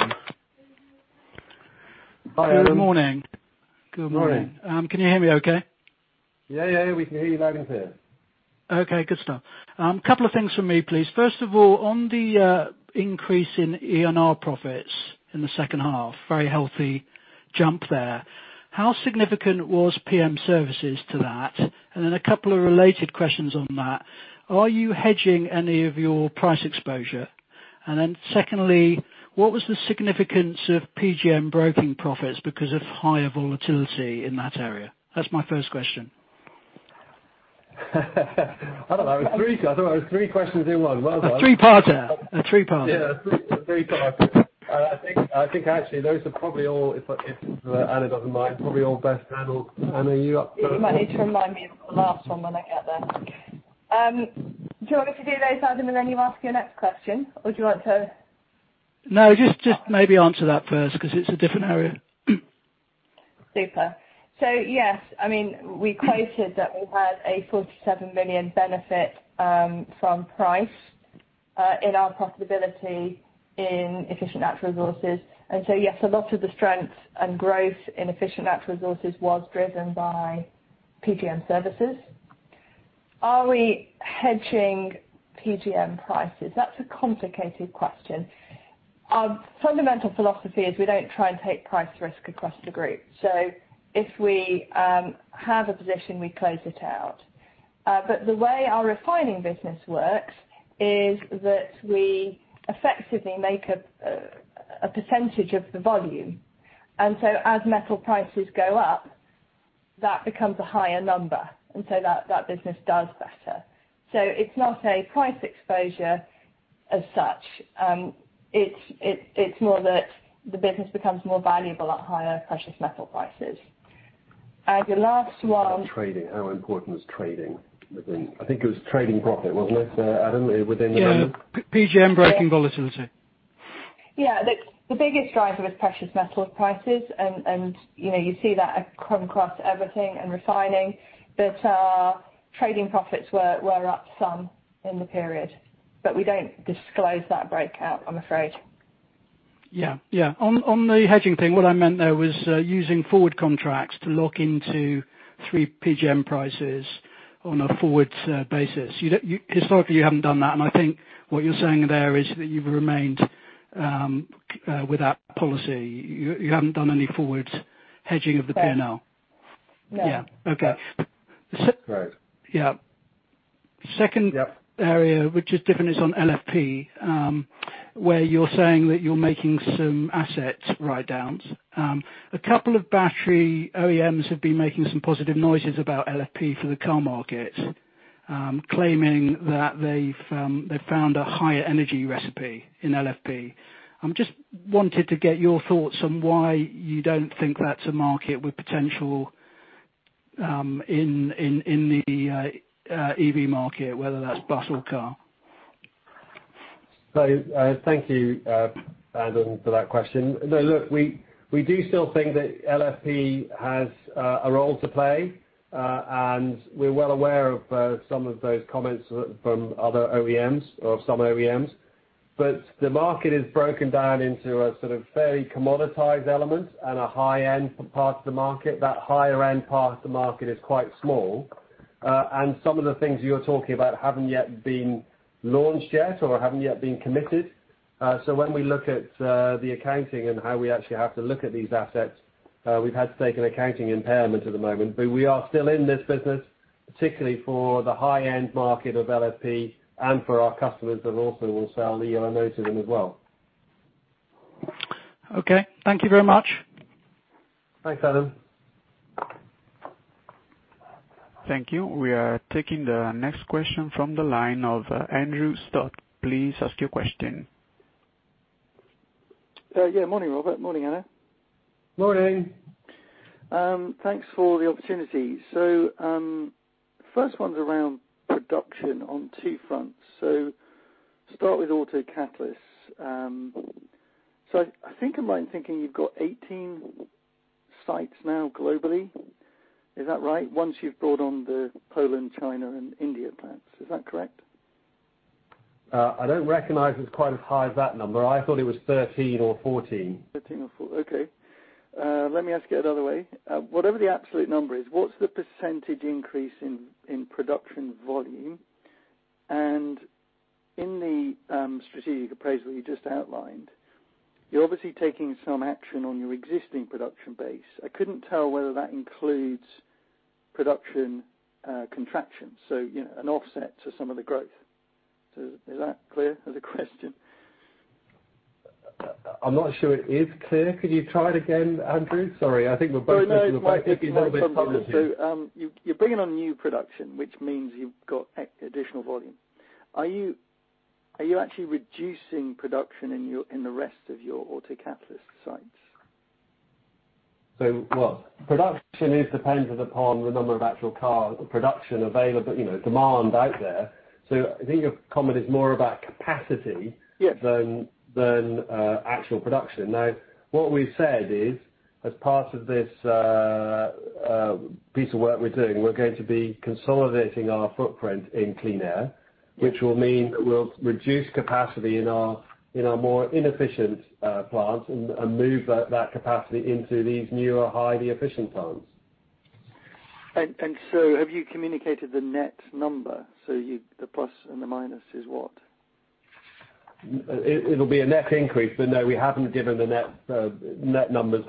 Speaker 3: Hi, Adam.
Speaker 6: Good morning.
Speaker 3: Morning.
Speaker 6: Can you hear me okay?
Speaker 3: Yeah. We can hear you loud and clear.
Speaker 6: Okay, good stuff. Couple of things from me, please. First of all, on the increase in ENR profits in the second half, very healthy jump there. How significant was PGM Services to that? A couple of related questions on that. Are you hedging any of your price exposure? Secondly, what was the significance of PGM broking profits because of higher volatility in that area? That's my first question.
Speaker 3: I don't know. I thought that was three questions in one. Well done.
Speaker 6: A three-parter.
Speaker 3: A three-parter. I think, actually, those are probably all, if Anna doesn't mind, probably all best handled. Anna, are you up for it?
Speaker 4: You might need to remind me of the last one when I get there. Do you want me to do those, Adam, and then you ask your next question? Do you want to
Speaker 6: No, just maybe answer that first because it's a different area.
Speaker 4: Super. Yes, we quoted that we had a 47 million benefit from price in our profitability in Efficient Natural Resources. Yes, a lot of the strength and growth in Efficient Natural Resources was driven by PGM Services. Are we hedging PGM prices? That's a complicated question. Our fundamental philosophy is we don't try and take price risk across the group. If we have a position, we close it out. The way our refining business works is that we effectively make a percentage of the volume. As metal prices go up, that becomes a higher number. That business does better. It's not a price exposure as such. It's more that the business becomes more valuable at higher precious metal prices. Your last one-
Speaker 3: How important is trading? I think it was trading profit, wasn't it, Adam?
Speaker 6: Yeah. PGM broking volatility.
Speaker 4: Yeah. The biggest driver is precious metal prices and you see that come across everything and refining. Our trading profits were up some in the period. We don't disclose that breakout, I'm afraid.
Speaker 6: Yeah. On the hedging thing, what I meant there was using forward contracts to lock into three PGM prices on a forwards basis. Historically, you haven't done that, and I think what you're saying there is that you've remained without policy. You haven't done any forwards hedging of the P&L.
Speaker 4: No.
Speaker 6: Yeah. Okay.
Speaker 3: Right.
Speaker 6: Yeah. Second area, which is different, is on LFP, where you're saying that you're making some asset write-downs. A couple of battery OEMs have been making some positive noises about LFP for the car market, claiming that they've found a higher energy recipe in LFP. I just wanted to get your thoughts on why you don't think that's a market with potential in the EV market, whether that's bus or car.
Speaker 3: Thank you, Adam, for that question. No, look, we do still think that LFP has a role to play. We are well aware of some of those comments from other OEMs or some OEMs. The market is broken down into a sort of fairly commoditized element and a high-end part of the market. That higher-end part of the market is quite small. Some of the things you're talking about haven't yet been launched yet, or haven't yet been committed. When we look at the accounting and how we actually have to look at these assets, we've had to take an accounting impairment at the moment. We are still in this business, particularly for the high-end market of LFP and for our customers that also will sell the eLNO to them as well.
Speaker 6: Okay. Thank you very much.
Speaker 3: Thanks, Adam.
Speaker 1: Thank you. We are taking the next question from the line of Andrew Stott. Please ask your question.
Speaker 7: Yeah. Morning, Robert. Morning, Anna.
Speaker 3: Morning.
Speaker 7: Thanks for the opportunity. First one's around production on two fronts. Start with autocatalysts. I think am I thinking you've got 18 sites now globally? Is that right? Once you've brought on the Poland, China and India plants. Is that correct?
Speaker 3: I don't recognize it's quite as high as that number. I thought it was 13 or 14.
Speaker 7: 13 or 14, okay. Let me ask it another way. Whatever the absolute number is, what's the % increase in production volume? In the strategic appraisal you just outlined, you're obviously taking some action on your existing production base. I couldn't tell whether that includes production contraction, so an offset to some of the growth. Is that clear as a question?
Speaker 3: I'm not sure it is clear. Could you try it again, Andrew? Sorry. I think we're both missing maybe a little bit.
Speaker 7: You're bringing on new production, which means you've got additional volume. Are you actually reducing production in the rest of your autocatalyst sites?
Speaker 3: Well, production is dependent upon the number of actual car production available, demand out there. I think your comment is more about capacity than actual production. What we've said is, as part of this piece of work we're doing, we're going to be consolidating our footprint in Clean Air, which will mean that we'll reduce capacity in our more inefficient plants and move that capacity into these newer, highly efficient plants.
Speaker 7: Have you communicated the net number? The plus and the minus is what?
Speaker 3: It'll be a net increase, but no, we haven't given the net numbers.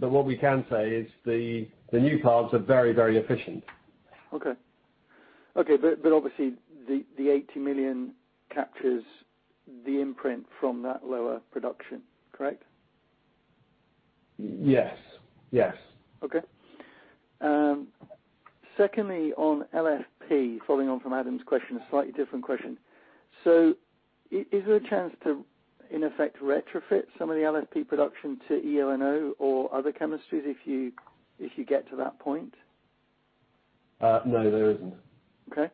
Speaker 3: What we can say is the new plants are very efficient.
Speaker 7: Okay. Obviously the 80 million captures the imprint from that lower production, correct?
Speaker 3: Yes.
Speaker 7: Okay. Secondly, on LFP, following on from Adam's question, a slightly different question. Is there a chance to, in effect, retrofit some of the LFP production to eLNO or other chemistries if you get to that point?
Speaker 3: No, there isn't.
Speaker 7: Okay.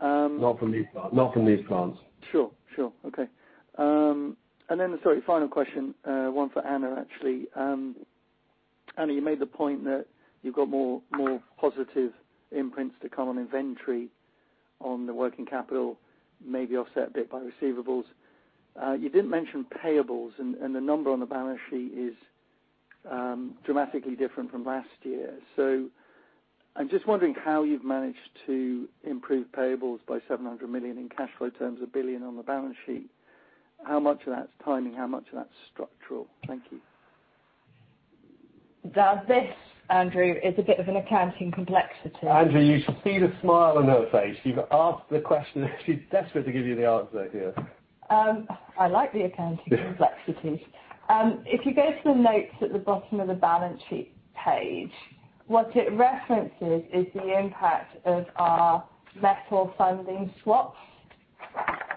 Speaker 3: Not from these plants.
Speaker 7: Sure. Okay. Sorry, final question, one for Anna, actually. Anna, you made the point that you've got more positive imprints to come on inventory, on the working capital, maybe offset a bit by receivables. You didn't mention payables and the number on the balance sheet is dramatically different from last year. I'm just wondering how you've managed to improve payables by 700 million in cash flow terms, 1 billion on the balance sheet. How much of that's timing, how much of that's structural? Thank you.
Speaker 4: This, Andrew, is a bit of an accounting complexity.
Speaker 3: Andrew, you should see the smile on her face. You've asked the question and she's desperate to give you the answer here.
Speaker 4: I like the accounting complexities. If you go to the notes at the bottom of the balance sheet page, what it references is the impact of our metal funding swaps.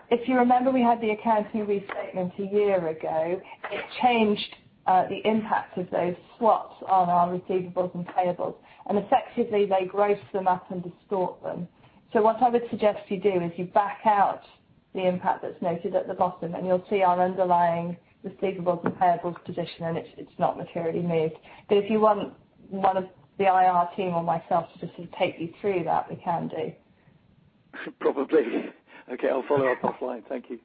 Speaker 4: If you remember, we had the accounting restatement a year ago. It changed the impact of those swaps on our receivables and payables, and effectively they gross them up and distort them. What I would suggest you do is you back out the impact that's noted at the bottom, and you'll see our underlying receivables and payables position, and it's not materially moved. If you want one of the IR team or myself to just take you through that, we can do.
Speaker 7: Probably. Okay, I'll follow up offline. Thank you.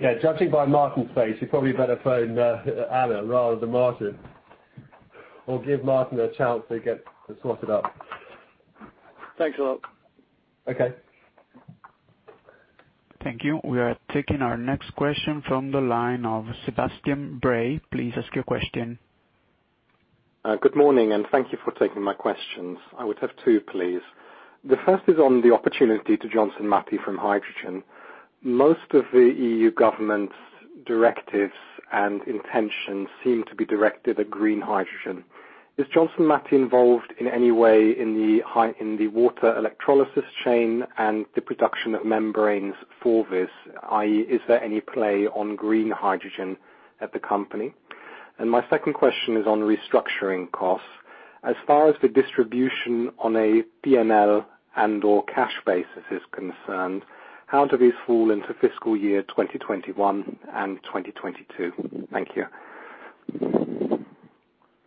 Speaker 3: Yeah. Judging by Martin's face, you probably better phone Anna rather than Martin, or give Martin a chance to get to swot it up.
Speaker 7: Thanks a lot.
Speaker 3: Okay.
Speaker 1: Thank you. We are taking our next question from the line of Sebastian Bray. Please ask your question.
Speaker 8: Good morning, thank you for taking my questions. I would have two, please. The first is on the opportunity to Johnson Matthey from hydrogen. Most of the EU government's directives and intentions seem to be directed at green hydrogen. Is Johnson Matthey involved in any way in the water electrolysis chain and the production of membranes for this, i.e., is there any play on green hydrogen at the company? My second question is on restructuring costs. As far as the distribution on a P&L and/or cash basis is concerned, how do these fall into fiscal year 2021 and 2022? Thank you.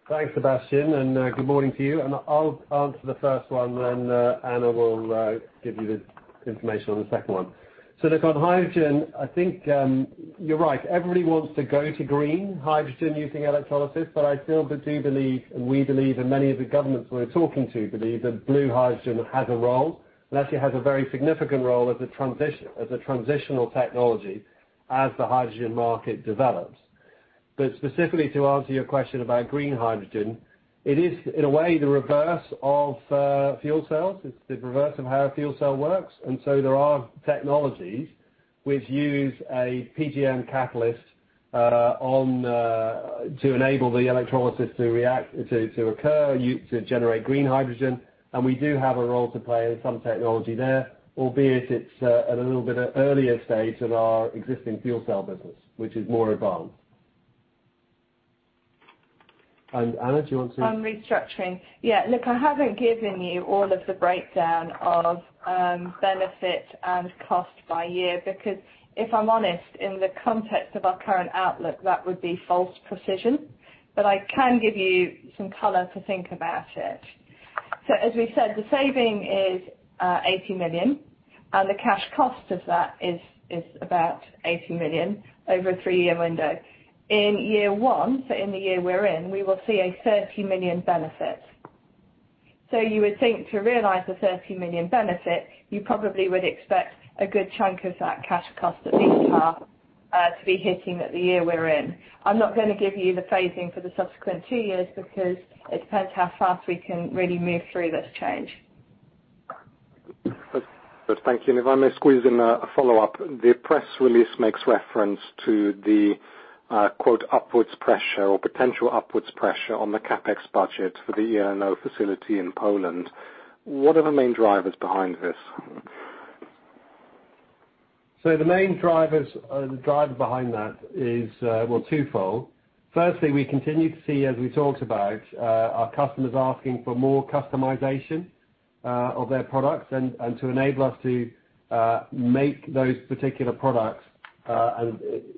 Speaker 3: Thanks, Sebastian, good morning to you. I'll answer the first one, then Anna will give you the information on the second one. Look, on hydrogen, I think you're right. Everybody wants to go to green hydrogen using electrolysis, I still do believe, and we believe, and many of the governments we're talking to believe that blue hydrogen has a role. It actually has a very significant role as a transitional technology as the hydrogen market develops. Specifically to answer your question about green hydrogen, it is, in a way, the reverse of fuel cells. It's the reverse of how a fuel cell works. There are technologies which use a PGM catalyst to enable the electrolysis to occur, to generate green hydrogen, and we do have a role to play in some technology there, albeit it's at a little bit earlier stage than our existing fuel cell business, which is more advanced. Anna, do you want to?
Speaker 4: On restructuring. Yeah, look, I haven't given you all of the breakdown of benefit and cost by year, because if I'm honest, in the context of our current outlook, that would be false precision, but I can give you some color to think about it. As we said, the saving is 80 million, and the cash cost of that is about 80 million over a three-year window. In year one, so in the year we're in, we will see a 30 million benefit. You would think to realize the 30 million benefit, you probably would expect a good chunk of that cash cost at least half to be hitting at the year we're in. I'm not going to give you the phasing for the subsequent two years because it depends how fast we can really move through this change.
Speaker 8: Thank you. If I may squeeze in a follow-up, the press release makes reference to the, quote, "upwards pressure or potential upwards pressure on the CapEx budget for the eLNO facility in Poland." What are the main drivers behind this?
Speaker 3: The main driver behind that is twofold. Firstly, we continue to see, as we talked about, our customers asking for more customization of their products and to enable us to make those particular products.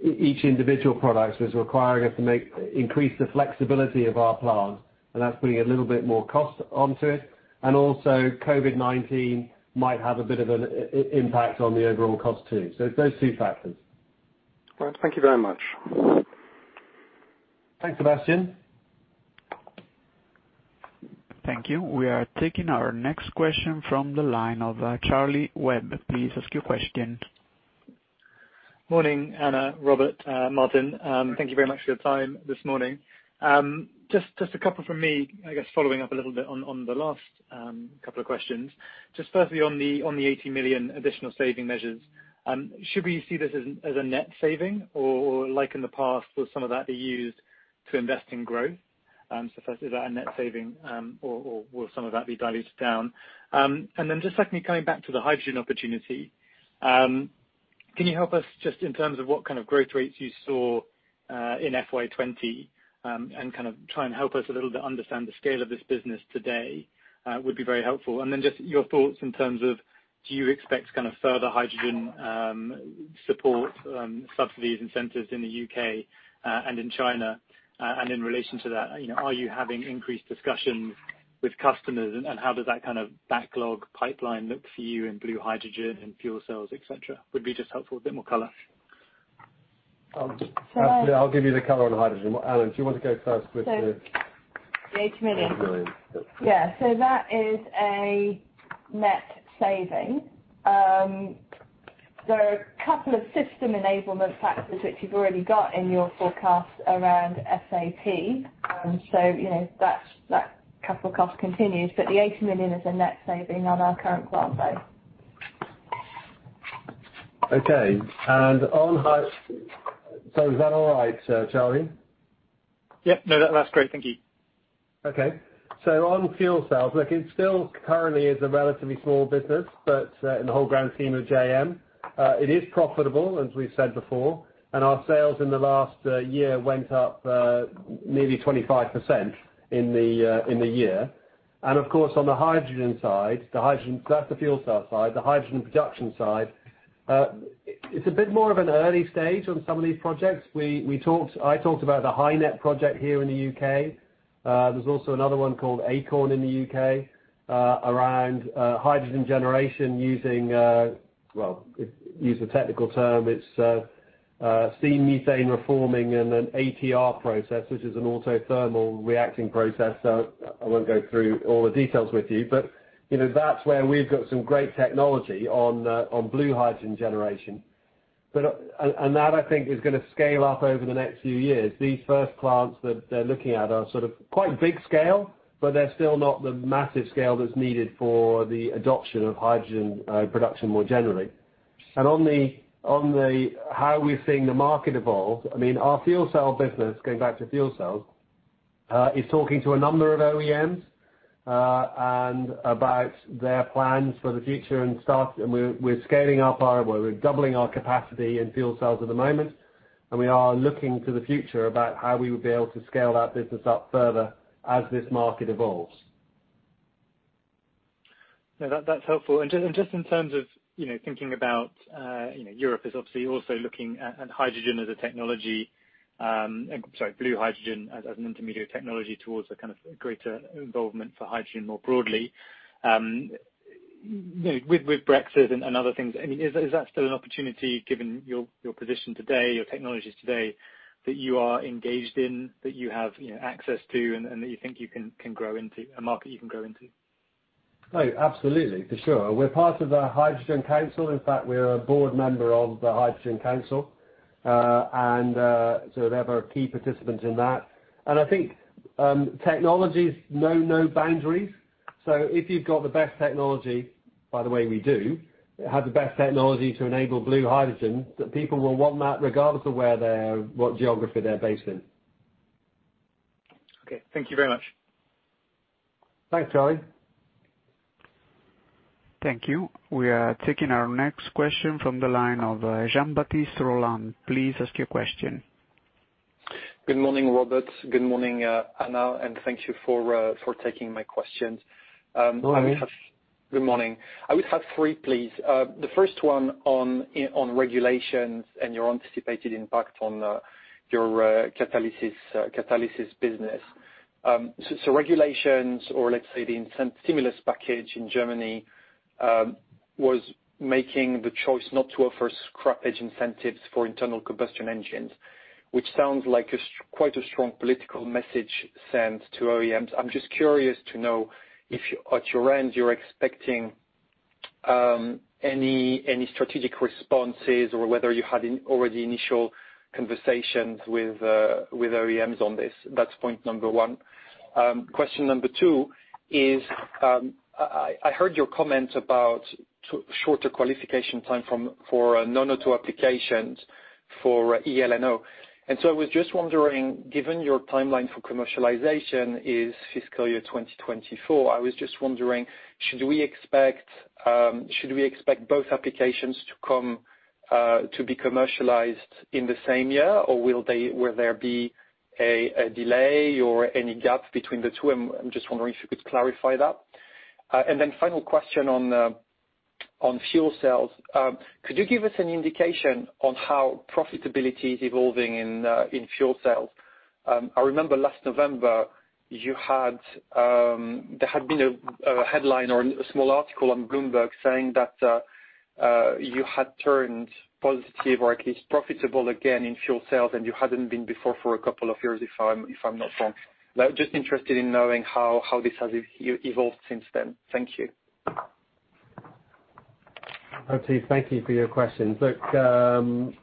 Speaker 3: Each individual product is requiring us to increase the flexibility of our plant, and that's putting a little bit more cost onto it. Also, COVID-19 might have a bit of an impact on the overall cost too. It's those two factors.
Speaker 8: Right. Thank you very much.
Speaker 3: Thanks, Sebastian.
Speaker 1: Thank you. We are taking our next question from the line of Charlie Webb. Please ask your question.
Speaker 9: Morning, Anna, Robert, Martin. Thank you very much for your time this morning. Just a couple from me, I guess following up a little bit on the last couple of questions. Just firstly on the 80 million additional saving measures, should we see this as a net saving or like in the past, will some of that be used to invest in growth? Firstly, is that a net saving or will some of that be diluted down? Secondly, coming back to the hydrogen opportunity, can you help us just in terms of what kind of growth rates you saw in FY 2020 and try and help us a little bit understand the scale of this business today would be very helpful. Your thoughts in terms of do you expect further hydrogen support, subsidies, incentives in the U.K. and in China? In relation to that, are you having increased discussions with customers and how does that kind of backlog pipeline look for you in blue hydrogen and fuel cells, et cetera, would be just helpful. A bit more color.
Speaker 3: I'll give you the color on hydrogen. Anna, do you want to go first?
Speaker 4: The 80 million.
Speaker 3: 80 million.
Speaker 4: Yeah. That is a net saving. There are a couple of system enablement factors which you've already got in your forecast around SAP. That capital cost continues, but the 80 million is a net saving on our current plant base.
Speaker 3: Okay. Is that all right, Charlie?
Speaker 9: Yep. No, that's great. Thank you.
Speaker 3: Okay. On fuel cells, look, it still currently is a relatively small business, but in the whole grand scheme of JM, it is profitable, as we've said before, and our sales in the last year went up nearly 25% in the year. Of course, on the hydrogen side, that's the fuel cell side, the hydrogen production side, it's a bit more of an early stage on some of these projects. I talked about the HyNet project here in the U.K. There's also another one called Acorn in the U.K., around hydrogen generation using, well, use the technical term, it's steam methane reforming and an ATR process, which is an autothermal reacting process. I won't go through all the details with you, but that's where we've got some great technology on blue hydrogen generation. That I think is going to scale up over the next few years. These first plants that they're looking at are sort of quite big scale, but they're still not the massive scale that's needed for the adoption of hydrogen production more generally. On the how we're seeing the market evolve, our fuel cell business, going back to fuel cells, is talking to a number of OEMs about their plans for the future. We're doubling our capacity in fuel cells at the moment, and we are looking to the future about how we would be able to scale that business up further as this market evolves.
Speaker 9: That's helpful. Just in terms of thinking about Europe is obviously also looking at hydrogen as a technology, sorry, blue hydrogen as an intermediate technology towards a kind of greater involvement for hydrogen more broadly. With Brexit and other things, is that still an opportunity given your position today, your technologies today, that you are engaged in, that you have access to and that you think you can grow into, a market you can grow into?
Speaker 3: Oh, absolutely. For sure. We're part of the Hydrogen Council. In fact, we're a board member of the Hydrogen Council. They have a key participant in that. I think technologies know no boundaries. If you've got the best technology, by the way, we do, have the best technology to enable blue hydrogen, that people will want that regardless of what geography they're based in.
Speaker 9: Okay. Thank you very much.
Speaker 3: Thanks, Charlie.
Speaker 1: Thank you. We are taking our next question from the line of Jean-Baptiste Rolland. Please ask your question.
Speaker 10: Good morning, Robert. Good morning, Anna. Thank you for taking my questions.
Speaker 3: Good morning.
Speaker 10: Good morning. I would have three, please. The first one on regulations and your anticipated impact on your catalysis business. Regulations or let's say the incentive stimulus package in Germany, was making the choice not to offer scrappage incentives for internal combustion engines, which sounds like quite a strong political message sent to OEMs. I am just curious to know if at your end, you are expecting any strategic responses or whether you had already initial conversations with OEMs on this. That's point number one. Question number two is, I heard your comment about shorter qualification time for non-auto applications for eLNO. I was just wondering, given your timeline for commercialization is fiscal year 2024, I was just wondering, should we expect both applications to be commercialized in the same year, or will there be a delay or any gap between the two? I'm just wondering if you could clarify that. Final question on fuel cells. Could you give us an indication on how profitability is evolving in fuel cells? I remember last November there had been a headline or a small article on Bloomberg saying that you had turned positive or at least profitable again in fuel cells, and you hadn't been before for a couple of years, if I'm not wrong. Just interested in knowing how this has evolved since then. Thank you.
Speaker 3: Baptiste, thank you for your questions. Look, on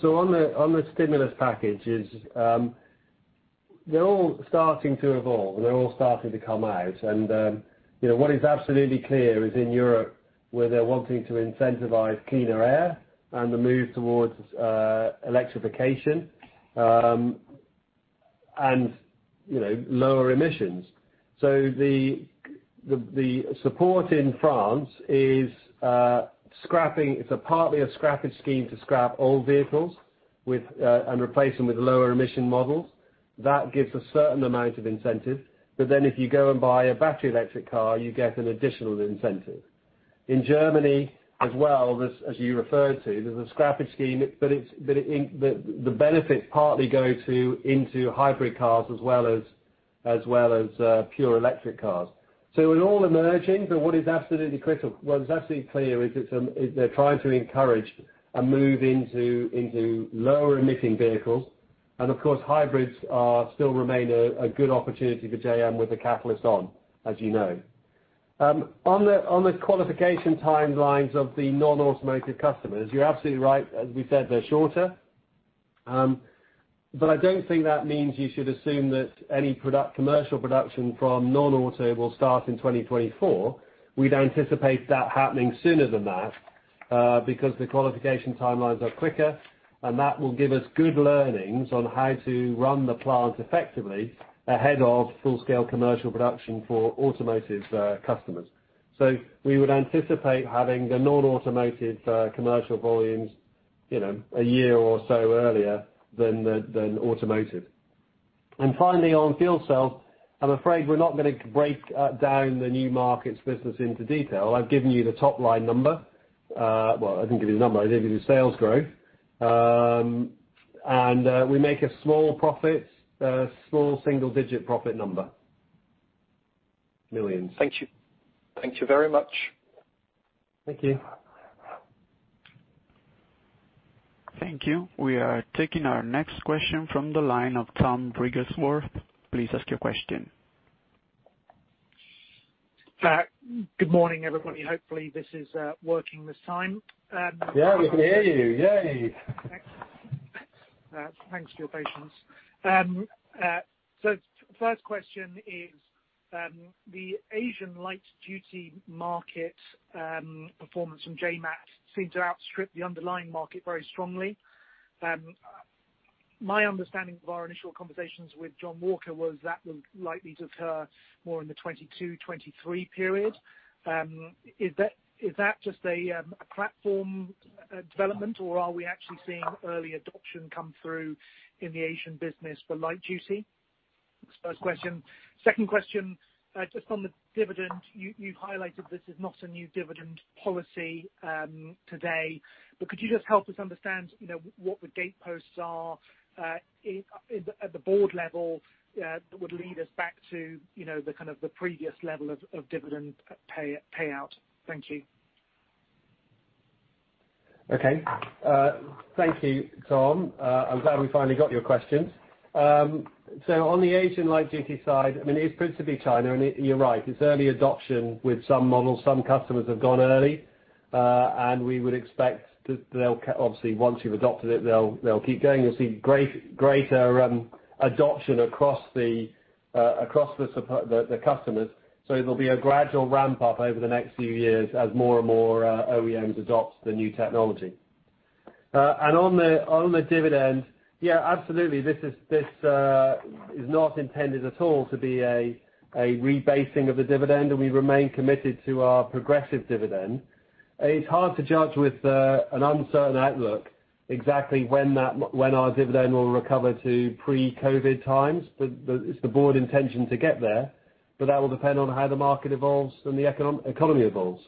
Speaker 3: the stimulus packages, they're all starting to evolve, they're all starting to come out. What is absolutely clear is in Europe, where they're wanting to incentivize cleaner air and the move towards electrification, and lower emissions. The support in France is scrapping. It's partly a scrappage scheme to scrap old vehicles and replace them with lower emission models. That gives a certain amount of incentive, if you go and buy a battery electric car, you get an additional incentive. In Germany as well, as you referred to, there's a scrappage scheme, the benefits partly go into hybrid cars as well as pure electric cars. We're all emerging, what is absolutely critical, what is absolutely clear is they're trying to encourage a move into lower emitting vehicles. Of course, hybrids still remain a good opportunity for JM with the catalyst on, as you know. On the qualification timelines of the non-automotive customers, you're absolutely right. As we said, they're shorter. I don't think that means you should assume that any commercial production from non-auto will start in 2024. We'd anticipate that happening sooner than that, because the qualification timelines are quicker, and that will give us good learnings on how to run the plant effectively ahead of full scale commercial production for automotive customers. We would anticipate having the non-automotive commercial volumes a year or so earlier than automotive. Finally, on fuel cells, I'm afraid we're not going to break down the New Markets business into detail. I've given you the top line number. Well, I didn't give you the number. I gave you the sales growth. We make a small profit, a small single digit profit number, millions.
Speaker 10: Thank you. Thank you very much.
Speaker 3: Thank you.
Speaker 1: Thank you. We are taking our next question from the line of Tom Wrigglesworth. Please ask your question.
Speaker 11: Good morning, everybody. Hopefully this is working this time.
Speaker 3: Yeah, we can hear you. Yay.
Speaker 11: Thanks. Thanks for your patience. First question is, the Asian light duty market performance from JMAT seems to outstrip the underlying market very strongly. My understanding of our initial conversations with John Walker was that will likely to occur more in the 2022/2023 period. Is that just a platform development, or are we actually seeing early adoption come through in the Asian business for light duty? First question. Second question, just on the dividend, you've highlighted this is not a new dividend policy today, but could you just help us understand what the gateposts are at the board level that would lead us back to the previous level of dividend payout? Thank you.
Speaker 3: Okay. Thank you, Tom. I'm glad we finally got your questions. On the agent light duty side, it is principally China, and you're right, it's early adoption with some models. Some customers have gone early. We would expect that they'll obviously, once you've adopted it, they'll keep going. You'll see greater adoption across the customers. It'll be a gradual ramp up over the next few years as more and more OEMs adopt the new technology. On the dividend, yeah, absolutely, this is not intended at all to be a rebasing of the dividend, and we remain committed to our progressive dividend. It's hard to judge with an uncertain outlook exactly when our dividend will recover to pre-COVID times, but it's the board intention to get there, but that will depend on how the market evolves and the economy evolves.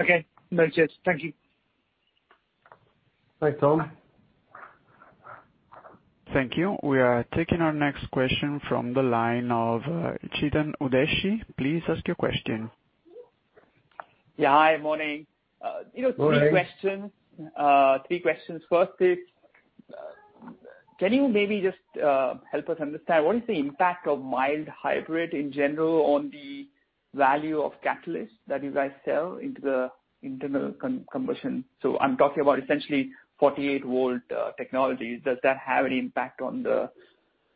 Speaker 11: Okay. No, it's it. Thank you.
Speaker 3: Thanks, Tom.
Speaker 1: Thank you. We are taking our next question from the line of Chetan Udeshi. Please ask your question.
Speaker 12: Yeah. Hi, morning.
Speaker 3: Morning.
Speaker 12: Three questions. Can you maybe just help us understand what is the impact of mild hybrid in general on the value of catalysts that you guys sell into the internal combustion? I'm talking about essentially 48V technology. Does that have any impact on the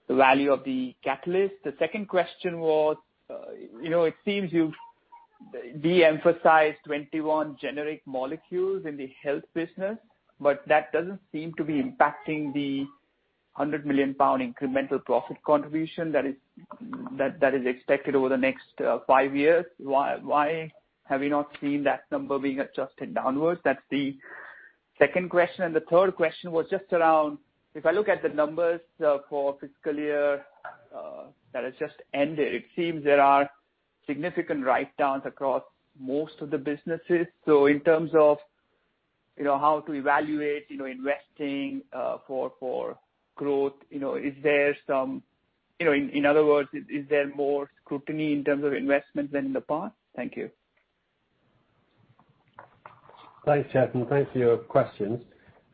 Speaker 12: value of the catalyst? It seems you've de-emphasized 21 generic molecules in the Health business, but that doesn't seem to be impacting the 100 million pound incremental profit contribution that is expected over the next five years. Why have we not seen that number being adjusted downwards? That's the second question. The third question was just around, if I look at the numbers for fiscal year that has just ended, it seems there are significant write-downs across most of the businesses. In terms of how to evaluate investing for growth, in other words, is there more scrutiny in terms of investment than in the past? Thank you.
Speaker 3: Thanks, Chetan. Thanks for your questions.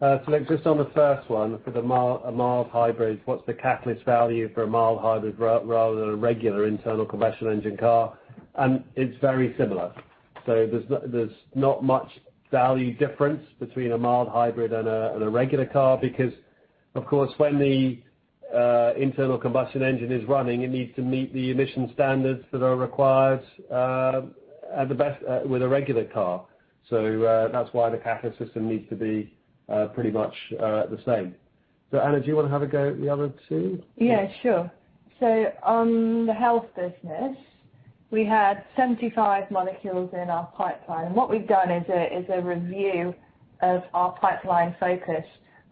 Speaker 3: Look, just on the first one for the mild hybrid, what's the catalyst value for a mild hybrid rather than a regular internal combustion engine car? It's very similar. There's not much value difference between a mild hybrid and a regular car because, of course, when the internal combustion engine is running, it needs to meet the emission standards that are required with a regular car. That's why the catalyst system needs to be pretty much the same. Anna, do you want to have a go at the other two?
Speaker 4: Yeah, sure. On the Health business, we had 75 molecules in our pipeline. What we've done is a review of our pipeline focus,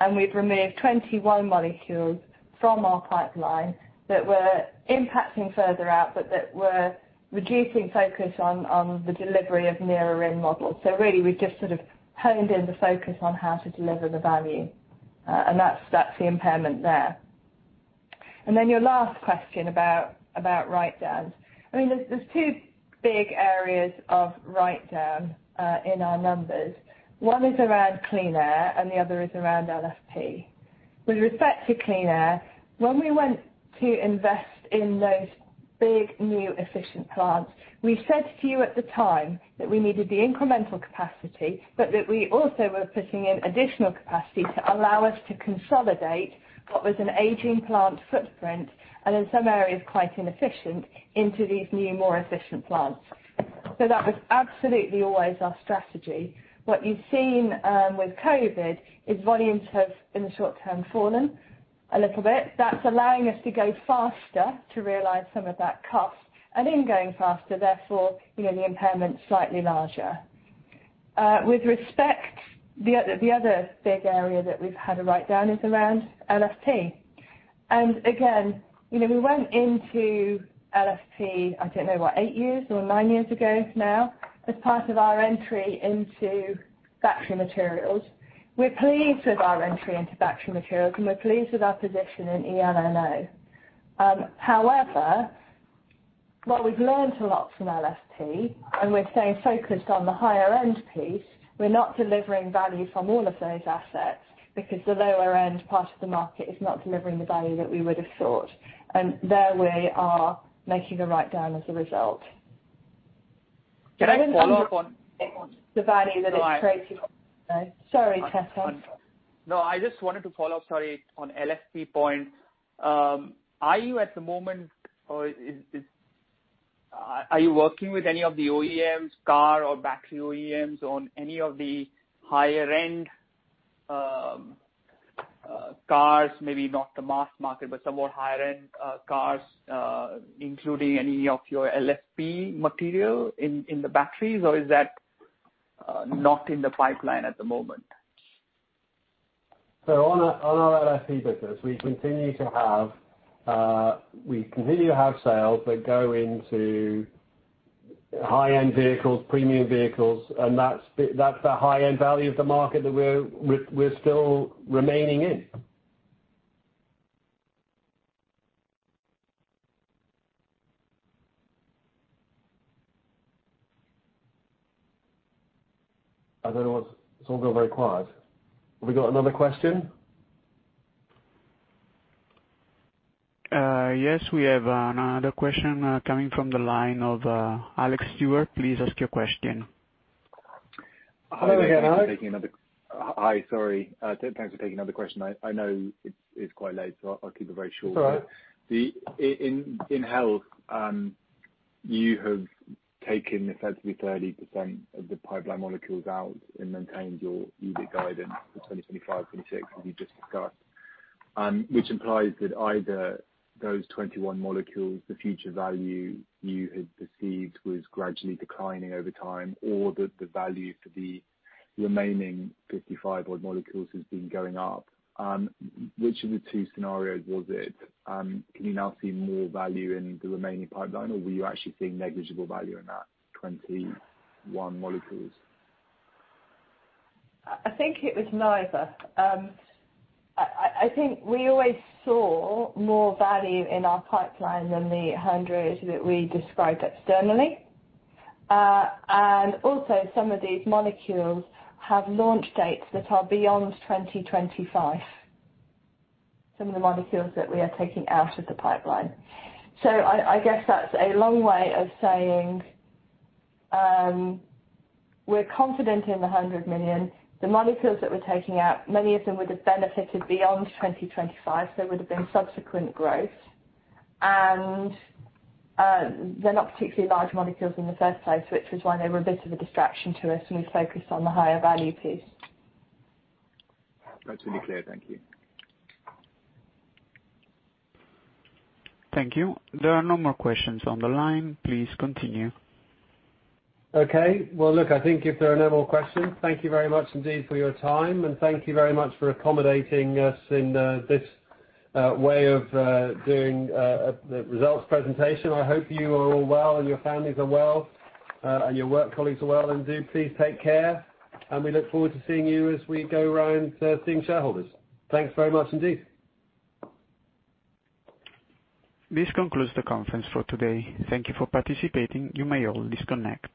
Speaker 4: we've removed 21 molecules from our pipeline that were impacting further out, but that were reducing focus on the delivery of nearer in models. Really we've just sort of honed in the focus on how to deliver the value. That's the impairment there. Your last question about write-downs. There's two big areas of write-down in our numbers. One is around Clean Air and the other is around LFP. With respect to Clean Air, when we went to invest in those big new efficient plants, we said to you at the time that we needed the incremental capacity, but that we also were putting in additional capacity to allow us to consolidate what was an aging plant footprint and in some areas quite inefficient into these new, more efficient plants. That was absolutely always our strategy. What you've seen with COVID is volumes have, in the short term, fallen a little bit. That's allowing us to go faster to realize some of that cost and in going faster, therefore, the impairment's slightly larger. With respect, the other big area that we've had a write-down is around LFP. Again, we went into LFP, I don't know what, eight years or nine years ago now, as part of our entry into Battery Materials. We're pleased with our entry into Battery Materials, and we're pleased with our position in eLNO. However, while we've learned a lot from LFP and we're staying focused on the higher-end piece, we're not delivering value from all of those assets because the lower-end part of the market is not delivering the value that we would have thought. There we are making the write-down as a result.
Speaker 12: Can I follow up on?
Speaker 4: The value that it's creating. Sorry, Chetan.
Speaker 12: No, I just wanted to follow up, sorry, on LFP point. Are you at the moment, or are you working with any of the OEMs car or battery OEMs on any of the higher-end cars? Maybe not the mass market, but somewhat higher-end cars including any of your LFP material in the batteries? Is that not in the pipeline at the moment?
Speaker 3: On our LFP business, we continue to have sales that go into high-end vehicles, premium vehicles, and that's the high-end value of the market that we're still remaining in. It's all gone very quiet. Have we got another question?
Speaker 1: Yes, we have another question coming from the line of Alex Stewart. Please ask your question.
Speaker 3: Hello again, Alex.
Speaker 5: Hi. Sorry. Thanks for taking another question. I know it's quite late, so I'll keep it very short.
Speaker 3: It's all right.
Speaker 5: In Health, you have taken effectively 30% of the pipeline molecules out and maintained your EBIT guidance for 2025/2026, as you just discussed. Which implies that either those 21 molecules, the future value you had perceived was gradually declining over time, or that the value for the remaining 55 odd molecules has been going up. Which of the two scenarios was it? Can you now see more value in the remaining pipeline, or were you actually seeing negligible value in that 21 molecules?
Speaker 4: I think it was neither. I think we always saw more value in our pipeline than the GBP 100 million that we described externally. Some of these molecules have launch dates that are beyond 2025, some of the molecules that we are taking out of the pipeline. I guess that's a long way of saying we're confident in the 100 million. The molecules that we're taking out, many of them would have benefited beyond 2025, so would have been subsequent growth. They're not particularly large molecules in the first place, which was why they were a bit of a distraction to us, and we focused on the higher value piece.
Speaker 5: That's really clear. Thank you.
Speaker 1: Thank you. There are no more questions on the line. Please continue.
Speaker 3: Okay. Well, look, I think if there are no more questions, thank you very much indeed for your time. Thank you very much for accommodating us in this way of doing the results presentation. I hope you are all well. Your families are well. Your work colleagues are well. Do please take care. We look forward to seeing you as we go around seeing shareholders. Thanks very much indeed.
Speaker 1: This concludes the conference for today. Thank you for participating. You may all disconnect.